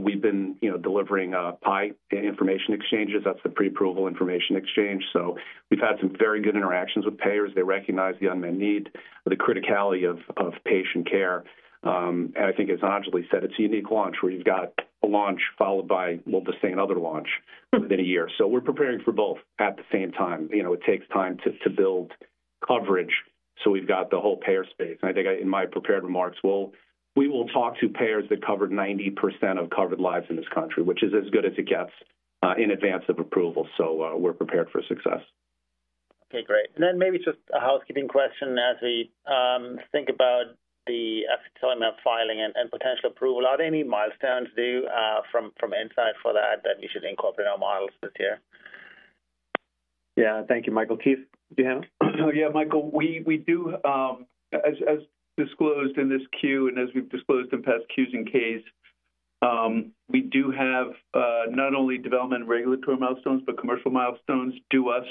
Speaker 5: We've been, you know, delivering PIE information exchanges. That's the pre-approval information exchange. So we've had some very good interactions with payers. They recognize the unmet need, the criticality of patient care. And I think as Anjali said, it's a unique launch where you've got a launch followed by, well, the same other launch within a year. So we're preparing for both at the same time. You know, it takes time to build coverage, so we've got the whole payer space. And I think in my prepared remarks, we will talk to payers that cover 90% of covered lives in this country, which is as good as it gets in advance of approval. So we're prepared for success.
Speaker 12: Okay, great. And then maybe just a housekeeping question as we think about the upcoming filing and potential approval. Are there any milestones due from Incyte for that we should incorporate in our models this year?
Speaker 3: Yeah. Thank you, Michael. Keith, do you know?
Speaker 6: Yeah, Michael, we do, as disclosed in this Q and as we've disclosed in past Qs and Ks, we do have not only development and regulatory milestones, but commercial milestones due us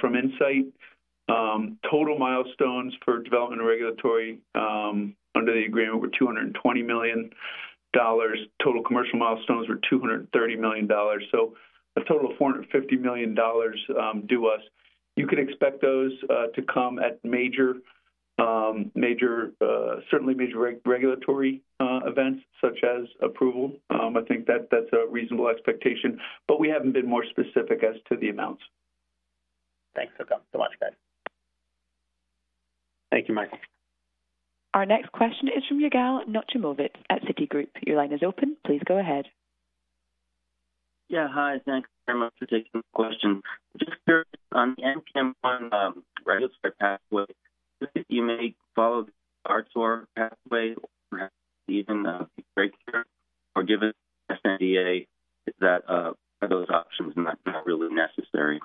Speaker 6: from Incyte. Total milestones for development and regulatory under the agreement, over $220 million. Total commercial milestones are $230 million, so a total of $450 million due us. You can expect those to come at major, certainly major regulatory events such as approval. I think that's a reasonable expectation, but we haven't been more specific as to the amounts.
Speaker 12: Thanks for the comment. So much, guys.
Speaker 3: Thank you, Michael.
Speaker 1: Our next question is from Yigal Nochomovitz at Citigroup. Your line is open. Please go ahead.
Speaker 13: Yeah. Hi, thanks very much for taking the question. Just on the NPM1 pathway, you may follow our pathway or perhaps even the breakthrough or given sNDA, is that, are those options not, not really necessary?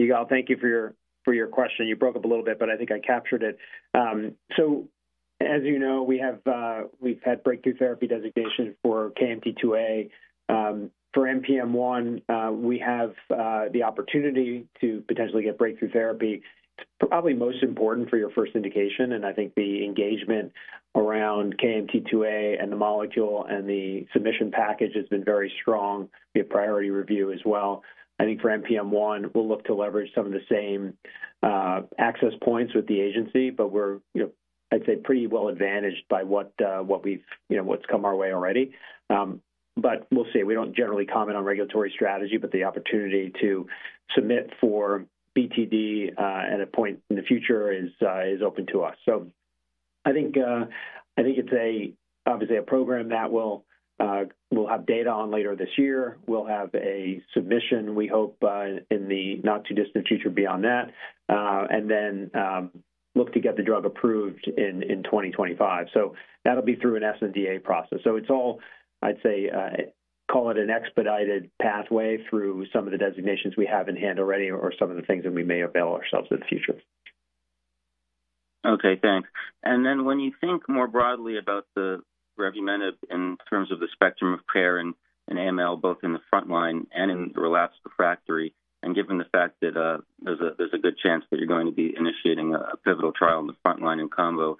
Speaker 3: Yigal, thank you for your, for your question. You broke up a little bit, but I think I captured it. So as you know, we have, we've had breakthrough therapy designation for KMT2A. For NPM1, we have, the opportunity to potentially get breakthrough therapy. It's probably most important for your first indication, and I think the engagement around KMT2A and the molecule and the submission package has been very strong. We have priority review as well. I think for NPM1, we'll look to leverage some of the same access points with the agency, but we're, you know, I'd say, pretty well-advantaged by what, what we've, you know, what's come our way already. But we'll see. We don't generally comment on regulatory strategy, but the opportunity to submit for BTD, at a point in the future is open to us. So I think, I think it's obviously a program that we'll, we'll have data on later this year. We'll have a submission, we hope, in the not-too-distant future beyond that, and then, look to get the drug approved in 2025. So that'll be through an sNDA process. So it's all, I'd say, call it an expedited pathway through some of the designations we have in hand already or some of the things that we may avail ourselves in the future.
Speaker 13: Okay, thanks. And then when you think more broadly about the revumenib in terms of the spectrum of care in AML, both in the frontline and in the relapsed refractory, and given the fact that there's a good chance that you're going to be initiating a pivotal trial in the frontline in combo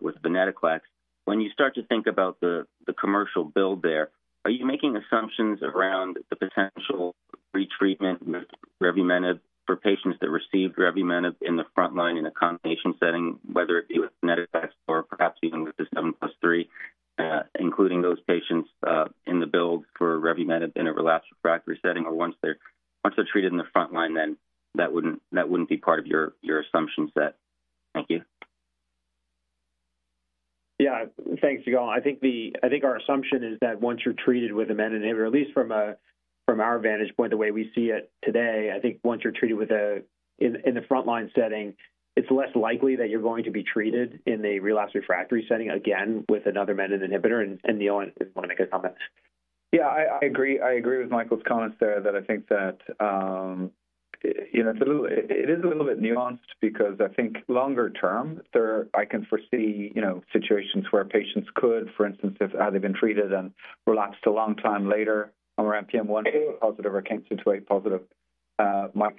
Speaker 13: with venetoclax. When you start to think about the commercial build there, are you making assumptions around the potential retreatment with revumenib for patients that received revumenib in the frontline in a combination setting, whether it be with venetoclax or perhaps even with the 7+3, including those patients in the build for revumenib in a relapsed refractory setting, or once they're treated in the frontline, then that wouldn't be part of your assumption set? Thank you.
Speaker 3: Yeah. Thanks, Yigal. I think our assumption is that once you're treated with a menin inhibitor, at least from a, from our vantage point, the way we see it today, I think once you're treated with a, in, in the frontline setting, it's less likely that you're going to be treated in a relapsed refractory setting again with another menin inhibitor. And Neil, you want to make a comment?
Speaker 4: Yeah, I agree. I agree with Michael's comments there, that I think that, you know, it's a little, it is a little bit nuanced because I think longer term, there... I can foresee, you know, situations where patients could, for instance, if they've been treated and relapsed a long time later around NPM1 positive or KMT2A positive, might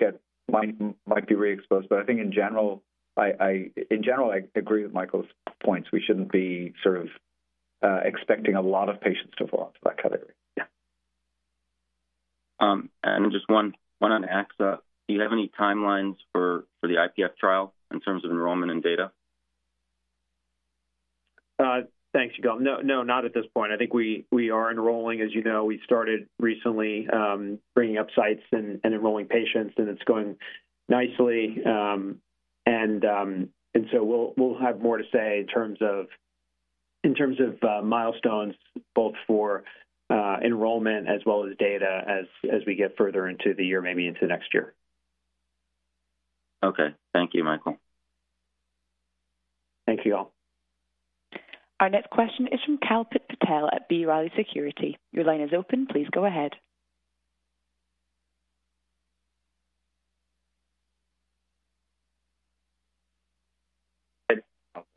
Speaker 4: be reexposed. But I think in general, I agree with Michael's points. We shouldn't be sort of, expecting a lot of patients to fall into that category. Yeah.
Speaker 13: And then just one on axa. Do you have any timelines for the IPF trial in terms of enrollment and data?
Speaker 3: Thanks, Yigal. No, no, not at this point. I think we are enrolling. As you know, we started recently bringing up sites and enrolling patients, and it's going nicely. And so we'll have more to say in terms of milestones, both for enrollment as well as data, as we get further into the year, maybe into next year.
Speaker 13: Okay. Thank you, Michael.
Speaker 3: Thank you, all.
Speaker 1: Our next question is from Kalpit Patel at B. Riley Securities. Your line is open. Please go ahead.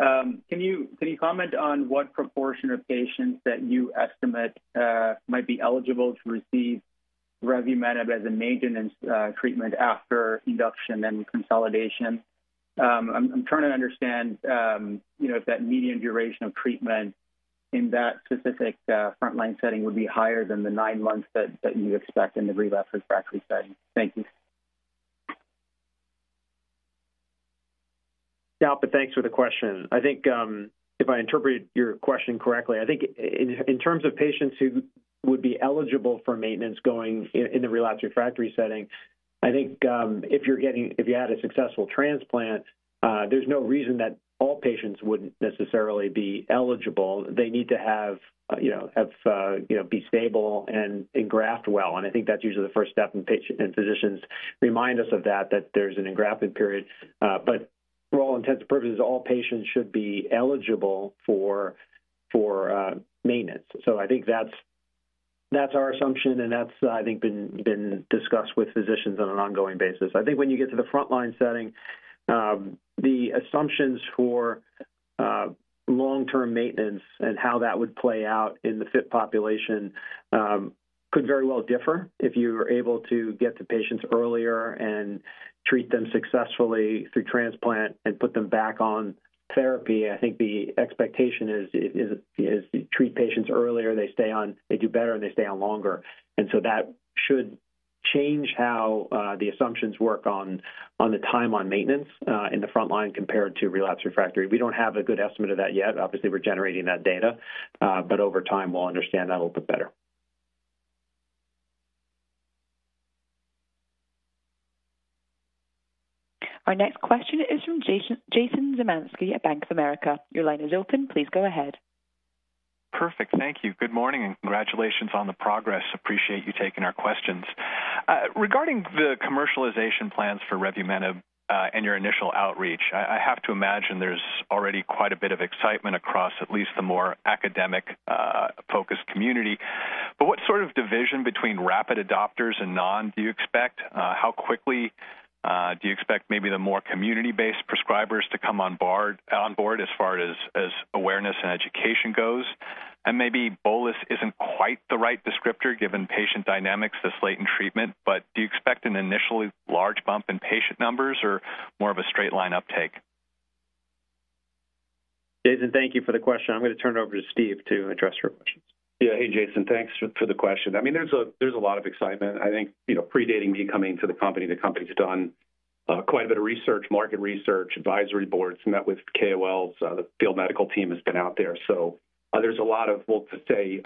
Speaker 14: Can you comment on what proportion of patients that you estimate might be eligible to receive revumenib as a maintenance treatment after induction and consolidation? I'm trying to understand, you know, if that median duration of treatment in that specific frontline setting would be higher than the nine months that you expect in the relapsed refractory setting. Thank you.
Speaker 3: Kalpit, thanks for the question. I think, if I interpreted your question correctly, I think in terms of patients who would be eligible for maintenance going in the relapsed refractory setting, I think, if you had a successful transplant, there's no reason that all patients wouldn't necessarily be eligible. They need to have, you know, have, you know, be stable and engraft well, and I think that's usually the first step, and physicians remind us of that, that there's an engrafting period. But for all intents and purposes, all patients should be eligible for maintenance. So I think that's our assumption, and that's, I think, been discussed with physicians on an ongoing basis. I think when you get to the frontline setting, the assumptions for long-term maintenance and how that would play out in the fit population could very well differ. If you were able to get to patients earlier and treat them successfully through transplant and put them back on therapy, I think the expectation is treat patients earlier, they stay on, they do better, and they stay on longer. And so that should change how the assumptions work on the time on maintenance in the frontline compared to relapsed refractory. We don't have a good estimate of that yet. Obviously, we're generating that data, but over time, we'll understand that a little bit better.
Speaker 1: Our next question is from Jason, Jason Zemansky at Bank of America. Your line is open. Please go ahead.
Speaker 15: Perfect. Thank you. Good morning, and congratulations on the progress. Appreciate you taking our questions. Regarding the commercialization plans for revumenib, and your initial outreach, I have to imagine there's already quite a bit of excitement across at least the more academic, focused community. But what sort of division between rapid adopters and non do you expect? How quickly do you expect maybe the more community-based prescribers to come on board, on board as far as, as awareness and education goes? And maybe bolus isn't quite the right descriptor, given patient dynamics, this latent treatment, but do you expect an initially large bump in patient numbers or more of a straight line uptake?
Speaker 3: Jason, thank you for the question. I'm going to turn it over to Steve to address your questions.
Speaker 5: Yeah. Hey, Jason, thanks for the question. I mean, there's a lot of excitement. I think, you know, predating me coming to the company, the company's done quite a bit of research, market research, advisory boards, met with KOLs. The field medical team has been out there. So there's a lot of, we'll just say,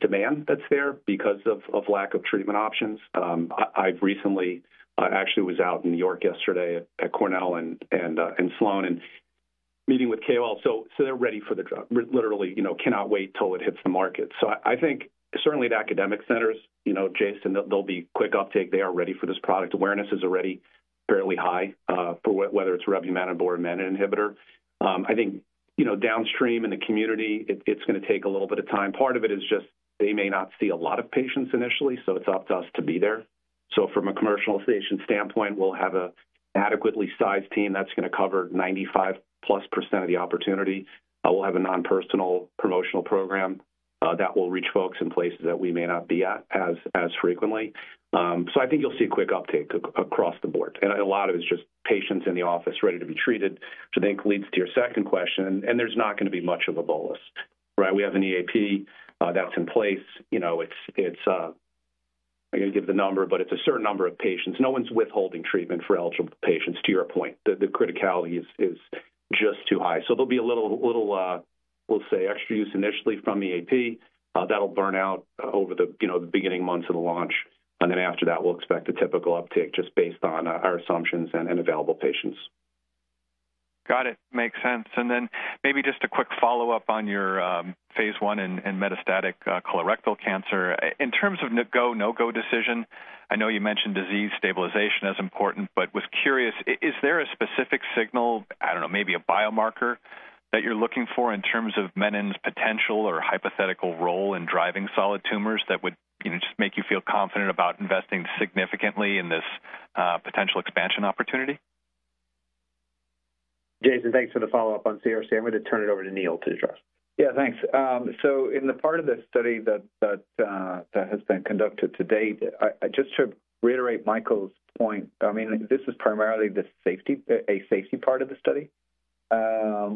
Speaker 5: demand that's there because of lack of treatment options. I've recently actually was out in New York yesterday at Cornell and Sloan and meeting with KOL. So they're ready for the drug. Literally, you know, cannot wait till it hits the market. So I think certainly the academic centers, you know, Jason, there'll be quick uptake. They are ready for this product. Awareness is already fairly high for whether it's revumenib or a menin inhibitor. I think, you know, downstream in the community, it's going to take a little bit of time. Part of it is just they may not see a lot of patients initially, so it's up to us to be there. So from a commercialization standpoint, we'll have an adequately sized team that's going to cover 95%+ of the opportunity. We'll have a non-personal promotional program that will reach folks in places that we may not be at as frequently. So I think you'll see a quick uptake across the board, and a lot of it is just patients in the office ready to be treated, which I think leads to your second question, and there's not going to be much of a bolus, right? We have an EAP that's in place. You know, it's... I'm going to give the number, but it's a certain number of patients. No one's withholding treatment for eligible patients, to your point. The criticality is just too high. So there'll be a little, we'll say, extra use initially from EAP, that'll burn out over the, you know, the beginning months of the launch, and then after that, we'll expect a typical uptake just based on, our assumptions and, and available patients.
Speaker 15: Got it. Makes sense. And then maybe just a quick follow-up on your phase I in metastatic colorectal cancer. In terms of go, no-go decision, I know you mentioned disease stabilization as important, but was curious, is there a specific signal, I don't know, maybe a biomarker, that you're looking for in terms of menin's potential or hypothetical role in driving solid tumors that would, you know, just make you feel confident about investing significantly in this potential expansion opportunity?
Speaker 3: Jason, thanks for the follow-up on CRC. I'm going to turn it over to Neil to address.
Speaker 4: Yeah, thanks. So in the part of the study that has been conducted to date, just to reiterate Michael's point, I mean, this is primarily the safety, a safety part of the study.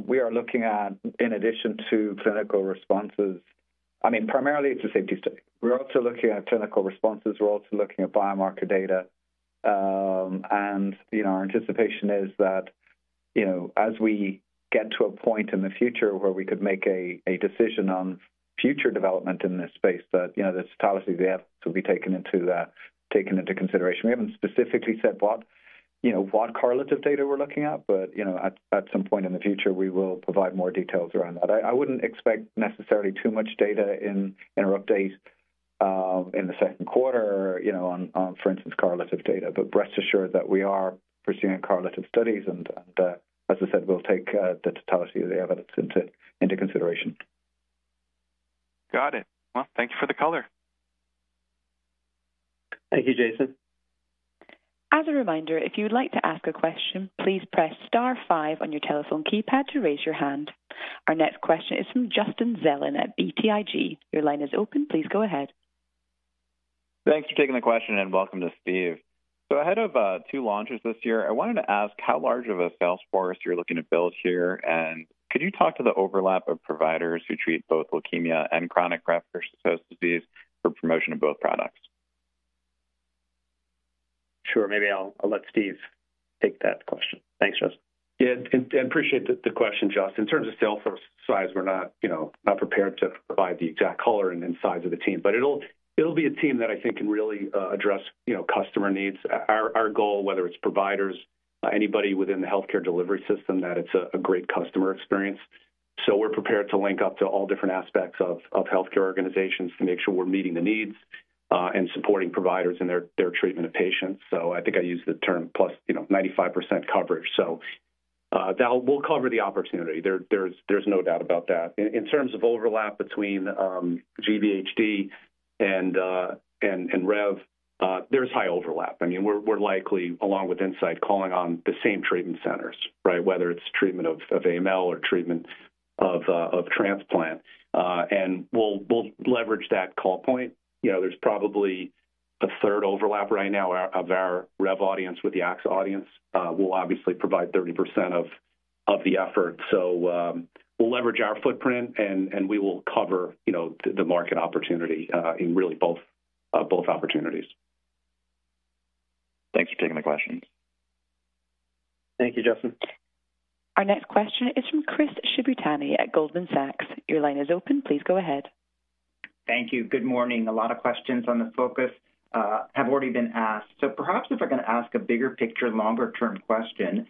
Speaker 4: We are looking at, in addition to clinical responses, I mean, primarily it's a safety study. We're also looking at clinical responses, we're also looking at biomarker data. And, you know, our anticipation is that, you know, as we get to a point in the future where we could make a decision on future development in this space, that, you know, the totality there will be taken into that, taken into consideration. We haven't specifically said what, you know, what correlative data we're looking at, but, you know, at some point in the future, we will provide more details around that. I wouldn't expect necessarily too much data in our update in the second quarter, you know, on for instance, correlative data. But rest assured that we are pursuing correlative studies, and as I said, we'll take the totality of the evidence into consideration.
Speaker 15: Got it. Well, thank you for the color.
Speaker 3: Thank you, Jason.
Speaker 1: As a reminder, if you would like to ask a question, please press star five on your telephone keypad to raise your hand. Our next question is from Justin Zelin at BTIG. Your line is open. Please go ahead.
Speaker 16: Thanks for taking the question, and welcome to Steve. So ahead of two launches this year, I wanted to ask how large of a sales force you're looking to build here, and could you talk to the overlap of providers who treat both leukemia and chronic graft-versus-host disease for promotion of both products?
Speaker 3: Sure. Maybe I'll let Steve take that question. Thanks, Justin.
Speaker 5: Yeah, and appreciate the question, Justin. In terms of sales force size, we're not, you know, not prepared to provide the exact color and size of the team, but it'll be a team that I think can really address, you know, customer needs. Our goal, whether it's providers, anybody within the healthcare delivery system, that it's a great customer experience. So we're prepared to link up to all different aspects of healthcare organizations to make sure we're meeting the needs and supporting providers in their treatment of patients. So I think I used the term plus, you know, 95% coverage. So that we'll cover the opportunity. There's no doubt about that. In terms of overlap between GVHD and rev, there's high overlap. I mean, we're likely, along with Incyte, calling on the same treatment centers, right? Whether it's treatment of AML or treatment of transplant. And we'll leverage that call point. You know, there's probably a third overlap right now of our rev audience with the axa audience. We'll obviously provide 30% of the effort. So, we'll leverage our footprint, and we will cover, you know, the market opportunity, in really both opportunities.
Speaker 16: Thanks for taking my questions.
Speaker 3: Thank you, Justin.
Speaker 1: Our next question is from Chris Shibutani at Goldman Sachs. Your line is open. Please go ahead.
Speaker 17: Thank you. Good morning. A lot of questions on the focus have already been asked. So perhaps if I can ask a bigger picture, longer-term question,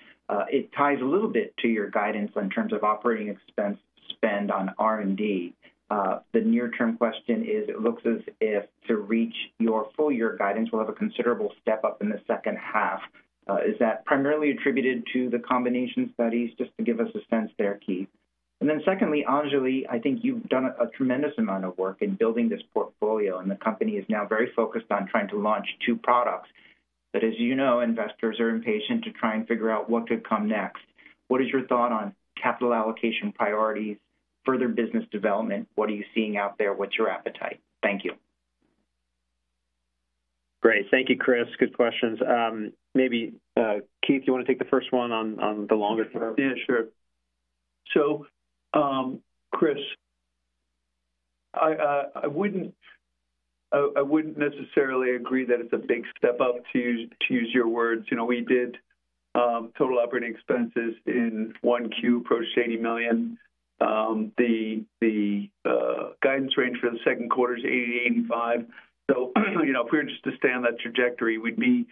Speaker 17: it ties a little bit to your guidance in terms of operating expense spend on R&D. The near-term question is, it looks as if to reach your full year guidance, we'll have a considerable step-up in the second half. Is that primarily attributed to the combination studies? Just to give us a sense there, Keith. And then secondly, Anjali, I think you've done a tremendous amount of work in building this portfolio, and the company is now very focused on trying to launch two products. But as you know, investors are impatient to try and figure out what could come next. What is your thought on capital allocation priorities, further business development? What are you seeing out there? What's your appetite? Thank you.
Speaker 3: Great. Thank you, Chris. Good questions. Maybe, Keith, you want to take the first one on the longer term?
Speaker 6: Yeah, sure. So, Chris, I wouldn't necessarily agree that it's a big step up, to use your words. You know, we did total operating expenses in 1Q approached $80 million. The guidance range for the second quarter is $80 million-$85 million. So, you know, if we were just to stay on that trajectory, we'd be,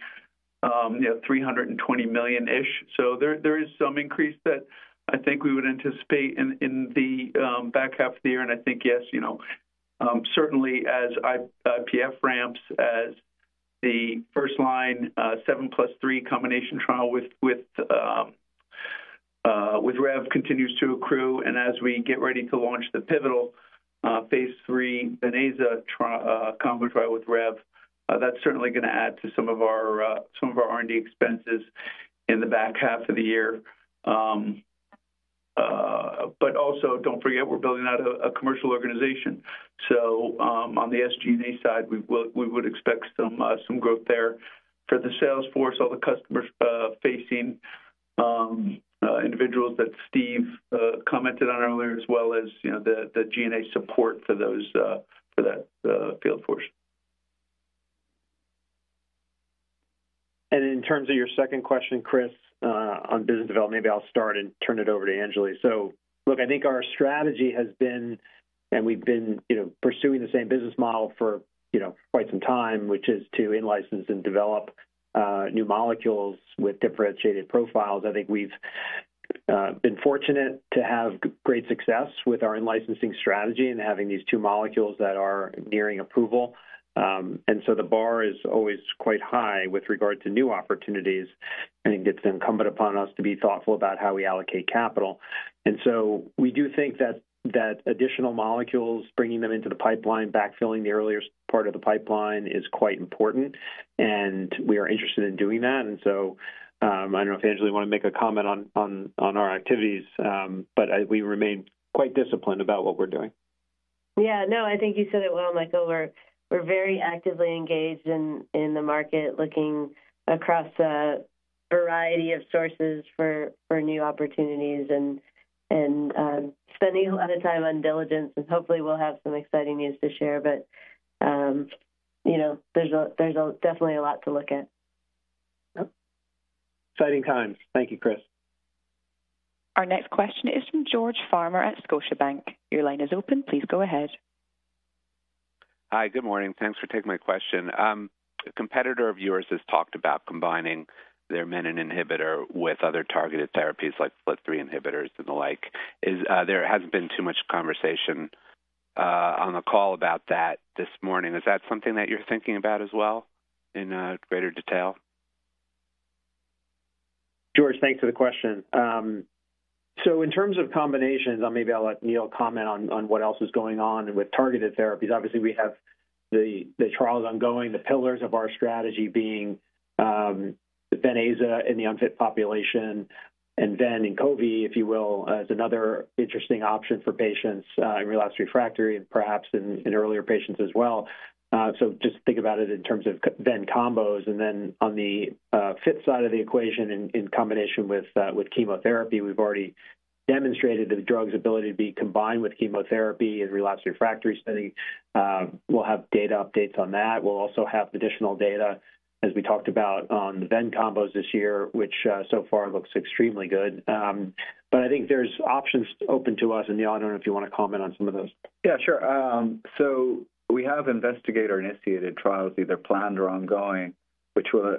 Speaker 6: you know, $320 million-ish. So there is some increase that I think we would anticipate in the back half of the year. And I think, yes, you know, certainly as IPF ramps, as the first line, 7+3 combination trial with rev continues to accrue, and as we get ready to launch the pivotal phase III venetoclax trial combo trial with rev, that's certainly gonna add to some of our R&D expenses in the back half of the year. But also, don't forget, we're building out a commercial organization. So, on the SG&A side, we would expect some growth there. For the sales force, all the customer facing individuals that Steve commented on earlier, as well as, you know, the G&A support for those, for that field force.
Speaker 3: And in terms of your second question, Chris, on business development, maybe I'll start and turn it over to Anjali. So look, I think our strategy has been, and we've been, you know, pursuing the same business model for, you know, quite some time, which is to in-license and develop new molecules with differentiated profiles. I think we've been fortunate to have great success with our in-licensing strategy and having these two molecules that are nearing approval. And so the bar is always quite high with regard to new opportunities, and it's incumbent upon us to be thoughtful about how we allocate capital. And so we do think that additional molecules, bringing them into the pipeline, backfilling the earlier part of the pipeline, is quite important, and we are interested in doing that. And so, I don't know if, Anjali, you want to make a comment on our activities, but I... We remain quite disciplined about what we're doing.
Speaker 11: Yeah, no, I think you said it well, Michael. We're very actively engaged in the market, looking across a variety of sources for new opportunities and spending a lot of time on diligence, and hopefully, we'll have some exciting news to share. But you know, there's definitely a lot to look at.
Speaker 3: Exciting times. Thank you, Chris.
Speaker 1: Our next question is from George Farmer at Scotiabank. Your line is open. Please go ahead.
Speaker 18: Hi, good morning. Thanks for taking my question. A competitor of yours has talked about combining their menin inhibitor with other targeted therapies like FLT3 inhibitors and the like. Is there hasn't been too much conversation on the call about that this morning. Is that something that you're thinking about as well in greater detail?
Speaker 3: George, thanks for the question. So in terms of combinations, maybe I'll let Neil comment on, on what else is going on. And with targeted therapies, obviously, we have the, the trials ongoing, the pillars of our strategy being, the venetoclax in the unfit population, and then Inqovi, if you will, as another interesting option for patients, in relapsed refractory and perhaps in, in earlier patients as well. So just think about it in terms of ven combos. And then on the, fit side of the equation, in, in combination with, with chemotherapy, we've already demonstrated the drug's ability to be combined with chemotherapy in relapsed refractory study. We'll have data updates on that. We'll also have additional data, as we talked about, on the ven combos this year, which, so far looks extremely good. I think there's options open to us, and Neil, I don't know if you want to comment on some of those.
Speaker 4: Yeah, sure. So we have investigator-initiated trials, either planned or ongoing, which will,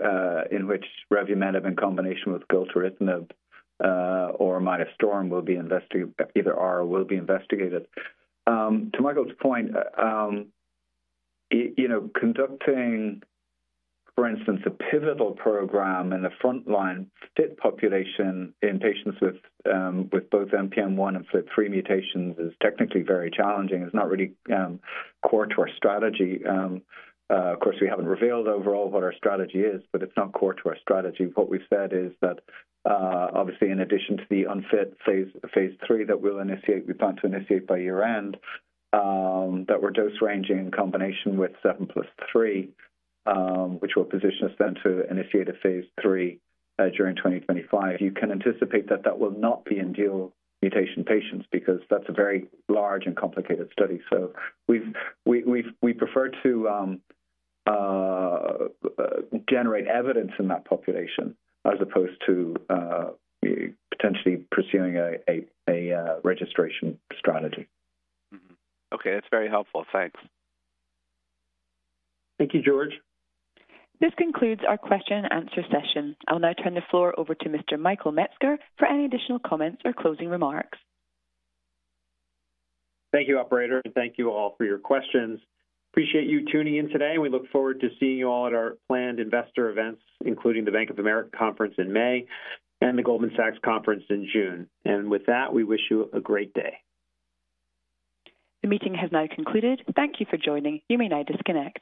Speaker 4: in which revumenib in combination with gilteritinib, or midostaurin will be investigated, either are or will be investigated. To Michael's point, you know, conducting, for instance, a pivotal program in the frontline fit population in patients with, with both NPM1 and FLT3 mutations is technically very challenging. It's not really, core to our strategy. Of course, we haven't revealed overall what our strategy is, but it's not core to our strategy. What we've said is that, obviously, in addition to the unfit phase III that we'll initiate, we plan to initiate by year-end, that we're dose ranging in combination with 7+3, which will position us then to initiate a phase III, during 2025. You can anticipate that that will not be in dual mutation patients, because that's a very large and complicated study. So we prefer to generate evidence in that population as opposed to potentially pursuing a registration strategy.
Speaker 18: Mm-hmm. Okay, that's very helpful. Thanks.
Speaker 3: Thank you, George.
Speaker 1: This concludes our question and answer session. I'll now turn the floor over to Mr. Michael Metzger for any additional comments or closing remarks.
Speaker 3: Thank you, operator, and thank you all for your questions. Appreciate you tuning in today. We look forward to seeing you all at our planned investor events, including the Bank of America conference in May and the Goldman Sachs conference in June. With that, we wish you a great day.
Speaker 1: The meeting has now concluded. Thank you for joining. You may now disconnect.